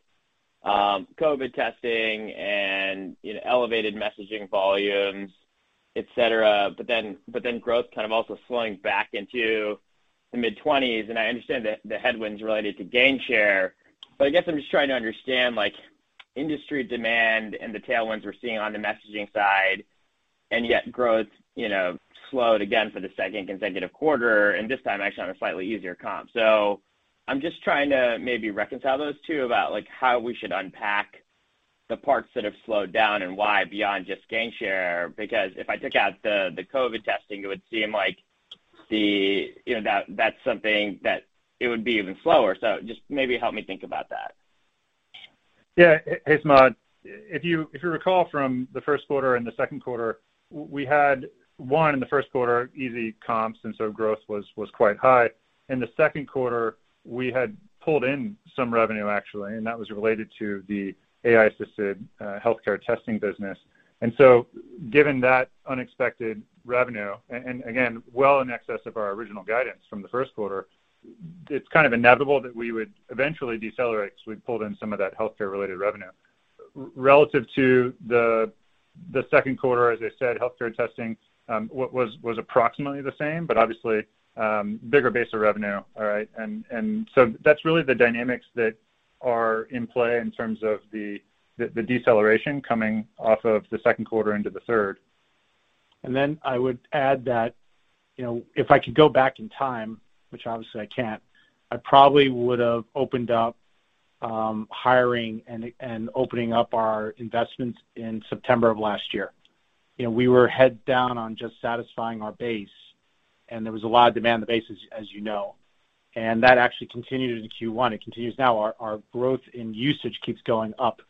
COVID testing and, you know, elevated messaging volumes, et cetera. Growth kind of also slowing back into the mid-20s. I understand the headwinds related to Gainshare. I guess I'm just trying to understand, like, industry demand and the tailwinds we're seeing on the messaging side, and yet growth, you know, slowed again for the second consecutive quarter, and this time actually on a slightly easier comp. I'm just trying to maybe reconcile those two about, like, how we should unpack the parts that have slowed down and why, beyond just Gainshare. Because if I took out the COVID testing, it would seem like, you know, that's something that it would be even slower. Just maybe help me think about that. Yeah. Hey, Samad. If you recall from the first quarter and the second quarter, we had one in the first quarter, easy comps, and so growth was quite high. In the second quarter, we had pulled in some revenue actually, and that was related to the AI-assisted healthcare testing business. Given that unexpected revenue, and again, well in excess of our original guidance from the first quarter, it's kind of inevitable that we would eventually decelerate 'cause we pulled in some of that healthcare-related revenue. Relative to the second quarter, as I said, healthcare testing was approximately the same, but obviously, bigger base of revenue, all right? That's really the dynamics that are in play in terms of the deceleration coming off of the second quarter into the third. I would add that, you know, if I could go back in time, which obviously I can't, I probably would've opened up hiring and opening up our investments in September of last year. You know, we were heads down on just satisfying our base, and there was a lot of demand on the base, as you know. That actually continued into Q1. It continues now. Our growth in usage keeps going up.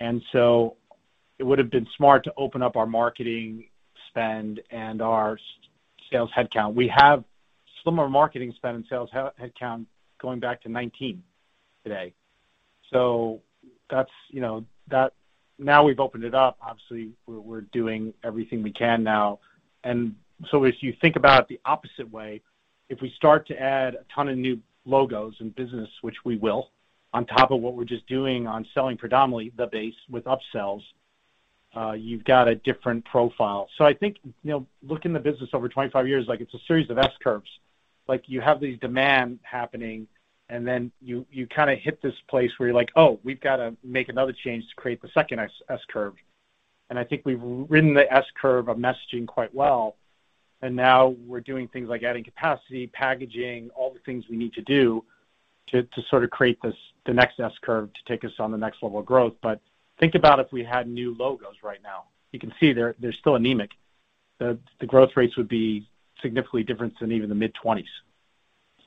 It would've been smart to open up our marketing spend and our sales headcount. We have similar marketing spend and sales headcount going back to 2019 today. That's, you know, that. Now we've opened it up, obviously we're doing everything we can now. If you think about it the opposite way, if we start to add a ton of new logos and business, which we will, on top of what we're just doing on selling predominantly the base with upsells, you've got a different profile. I think, you know, looking the business over 25 years, like, it's a series of S-curves. Like you have the demand happening, and then you kinda hit this place where you're like, "Oh, we've gotta make another change to create the second S-curve." I think we've ridden the S-curve of messaging quite well, and now we're doing things like adding capacity, packaging, all the things we need to do to sort of create this, the next S-curve to take us on the next level of growth. Think about if we had new logos right now. You can see they're still anemic. The growth rates would be significantly different than even the mid-20s.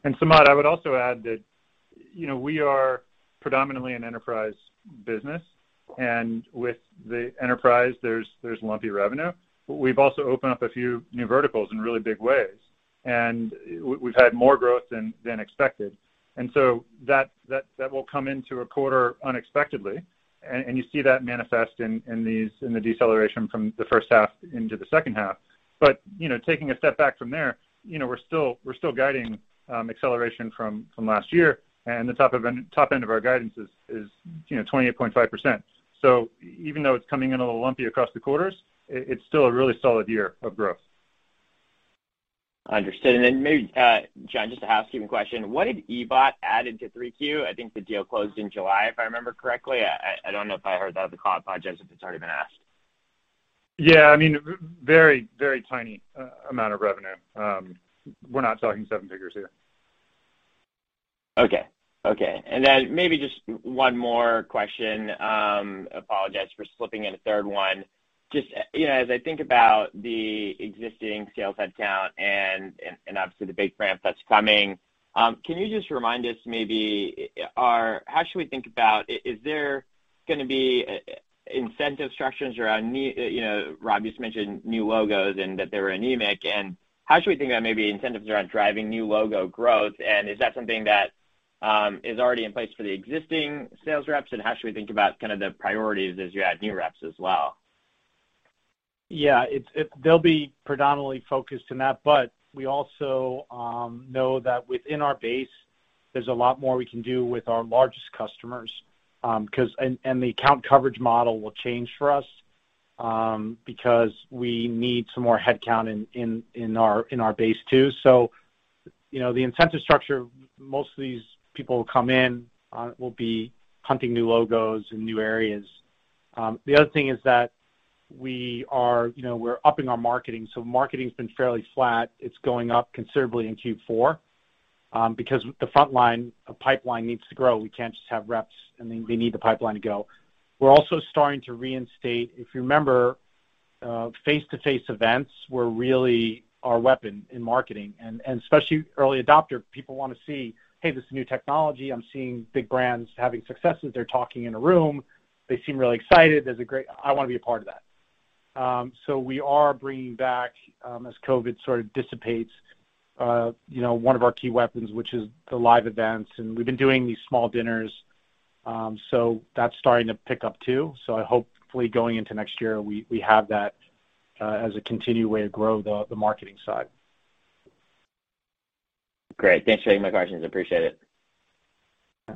Samad, I would also add that, you know, we are predominantly an enterprise business, and with the enterprise, there's lumpy revenue. We've also opened up a few new verticals in really big ways, and we've had more growth than expected. That will come into a quarter unexpectedly, and you see that manifest in the deceleration from the first half into the second half. You know, taking a step back from there, you know, we're still guiding acceleration from last year, and the top end of our guidance is, you know, 28.5%. Even though it's coming in a little lumpy across the quarters, it's still a really solid year of growth. Understood. Maybe, John, just to ask you a question, what did EVOT add into 3Q? I think the deal closed in July, if I remember correctly. I don't know if I heard that at the cloud pod, John, if it's already been asked. Yeah, I mean, very tiny amount of revenue. We're not talking seven figures here. Maybe just one more question. I apologize for slipping in a third one. Just as I think about the existing sales headcount and obviously the big ramp that's coming, can you just remind us maybe how should we think about. Is there gonna be incentive structures around. You know, Rob just mentioned new logos and that they were anemic, and how should we think about maybe incentives around driving new logo growth, and is that something that is already in place for the existing sales reps, and how should we think about kind of the priorities as you add new reps as well? They'll be predominantly focused on that, but we also know that within our base, there's a lot more we can do with our largest customers, 'cause the account coverage model will change for us, because we need some more headcount in our base too. You know, the incentive structure, most of these people who come in, will be hunting new logos in new areas. The other thing is that, you know, we're upping our marketing. Marketing's been fairly flat. It's going up considerably in Q4, because the frontline pipeline needs to grow. We can't just have reps, they need the pipeline to go. We're also starting to reinstate. If you remember, face-to-face events were really our weapon in marketing, especially early adopter. People wanna see, "Hey, this is new technology. I'm seeing big brands having successes. They're talking in a room. They seem really excited. There's a great I wanna be a part of that." We are bringing back, as COVID sort of dissipates, you know, one of our key weapons, which is the live events, and we've been doing these small dinners, so that's starting to pick up too. Hopefully going into next year, we have that, as a continued way to grow the marketing side. Great. Thanks for taking my questions. I appreciate it. Yeah.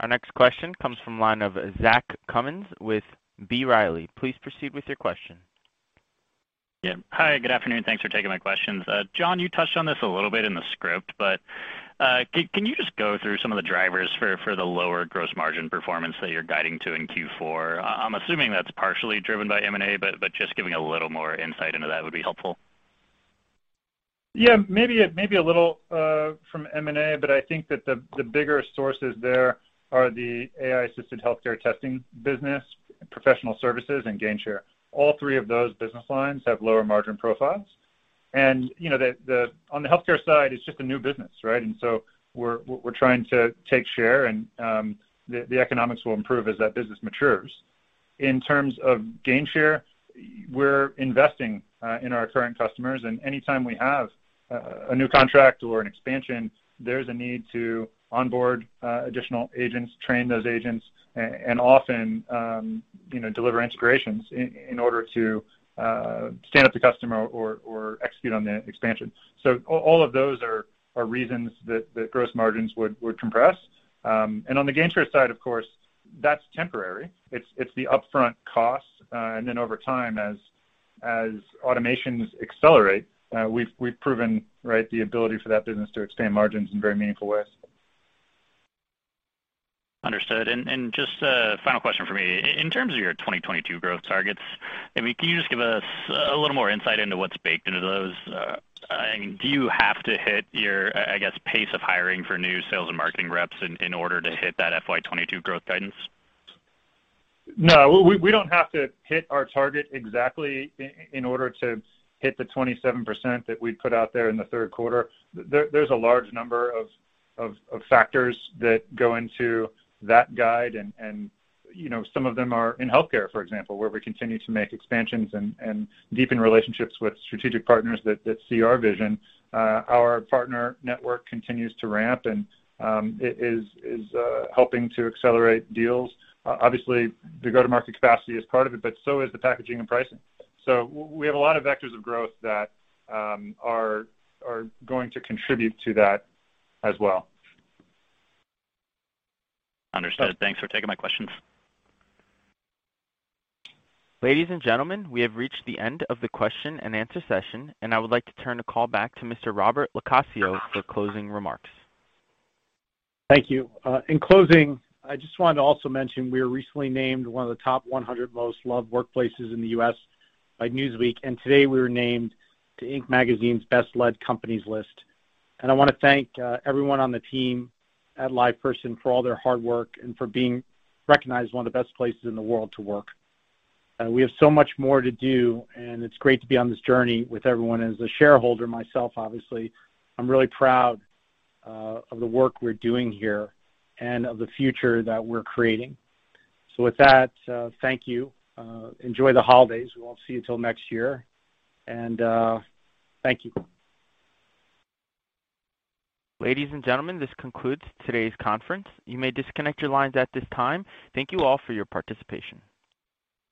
Our next question comes from the line of Zach Cummins with B. Riley. Please proceed with your question. Yeah. Hi, good afternoon. Thanks for taking my questions. John, you touched on this a little bit in the script, but can you just go through some of the drivers for the lower gross margin performance that you're guiding to in Q4? I'm assuming that's partially driven by M&A, but just giving a little more insight into that would be helpful. Yeah, maybe a little from M&A, but I think that the bigger sources there are the AI-assisted healthcare testing business, professional services, and Gainshare. All three of those business lines have lower margin profiles. You know, on the healthcare side, it's just a new business, right? We're trying to take share, and the economics will improve as that business matures. In terms of Gainshare, we're investing in our current customers, and anytime we have a new contract or an expansion, there's a need to onboard additional agents, train those agents and often you know, deliver integrations in order to stand up the customer or execute on the expansion. All of those are reasons that gross margins would compress. On the Gainshare side, of course, that's temporary. It's the upfront costs, and then over time, as automations accelerate, we've proven, right, the ability for that business to expand margins in very meaningful ways. Understood. Just a final question for me. In terms of your 2022 growth targets, I mean, can you just give us a little more insight into what's baked into those? Do you have to hit your, I guess, pace of hiring for new sales and marketing reps in order to hit that FY 2022 growth guidance? No. We don't have to hit our target exactly in order to hit the 27% that we put out there in the third quarter. There's a large number of factors that go into that guide and, you know, some of them are in healthcare, for example, where we continue to make expansions and deepen relationships with strategic partners that see our vision. Our partner network continues to ramp and is helping to accelerate deals. Obviously, the go-to-market capacity is part of it, but so is the packaging and pricing. We have a lot of vectors of growth that are going to contribute to that as well. Understood. Thanks for taking my questions. Ladies and gentlemen, we have reached the end of the question and answer session, and I would like to turn the call back to Mr. Rob LoCascio for closing remarks. Thank you. In closing, I just wanted to also mention we were recently named one of the top 100 most loved workplaces in the U.S. by Newsweek, and today we were named to Inc. Magazine's Best Led Companies list. I wanna thank everyone on the team at LivePerson for all their hard work and for being recognized as one of the best places in the world to work. We have so much more to do, and it's great to be on this journey with everyone. As a shareholder myself, obviously, I'm really proud of the work we're doing here and of the future that we're creating. With that, thank you. Enjoy the holidays. We won't see you till next year. Thank you. Ladies and gentlemen, this concludes today's conference. You may disconnect your lines at this time. Thank you all for your participation.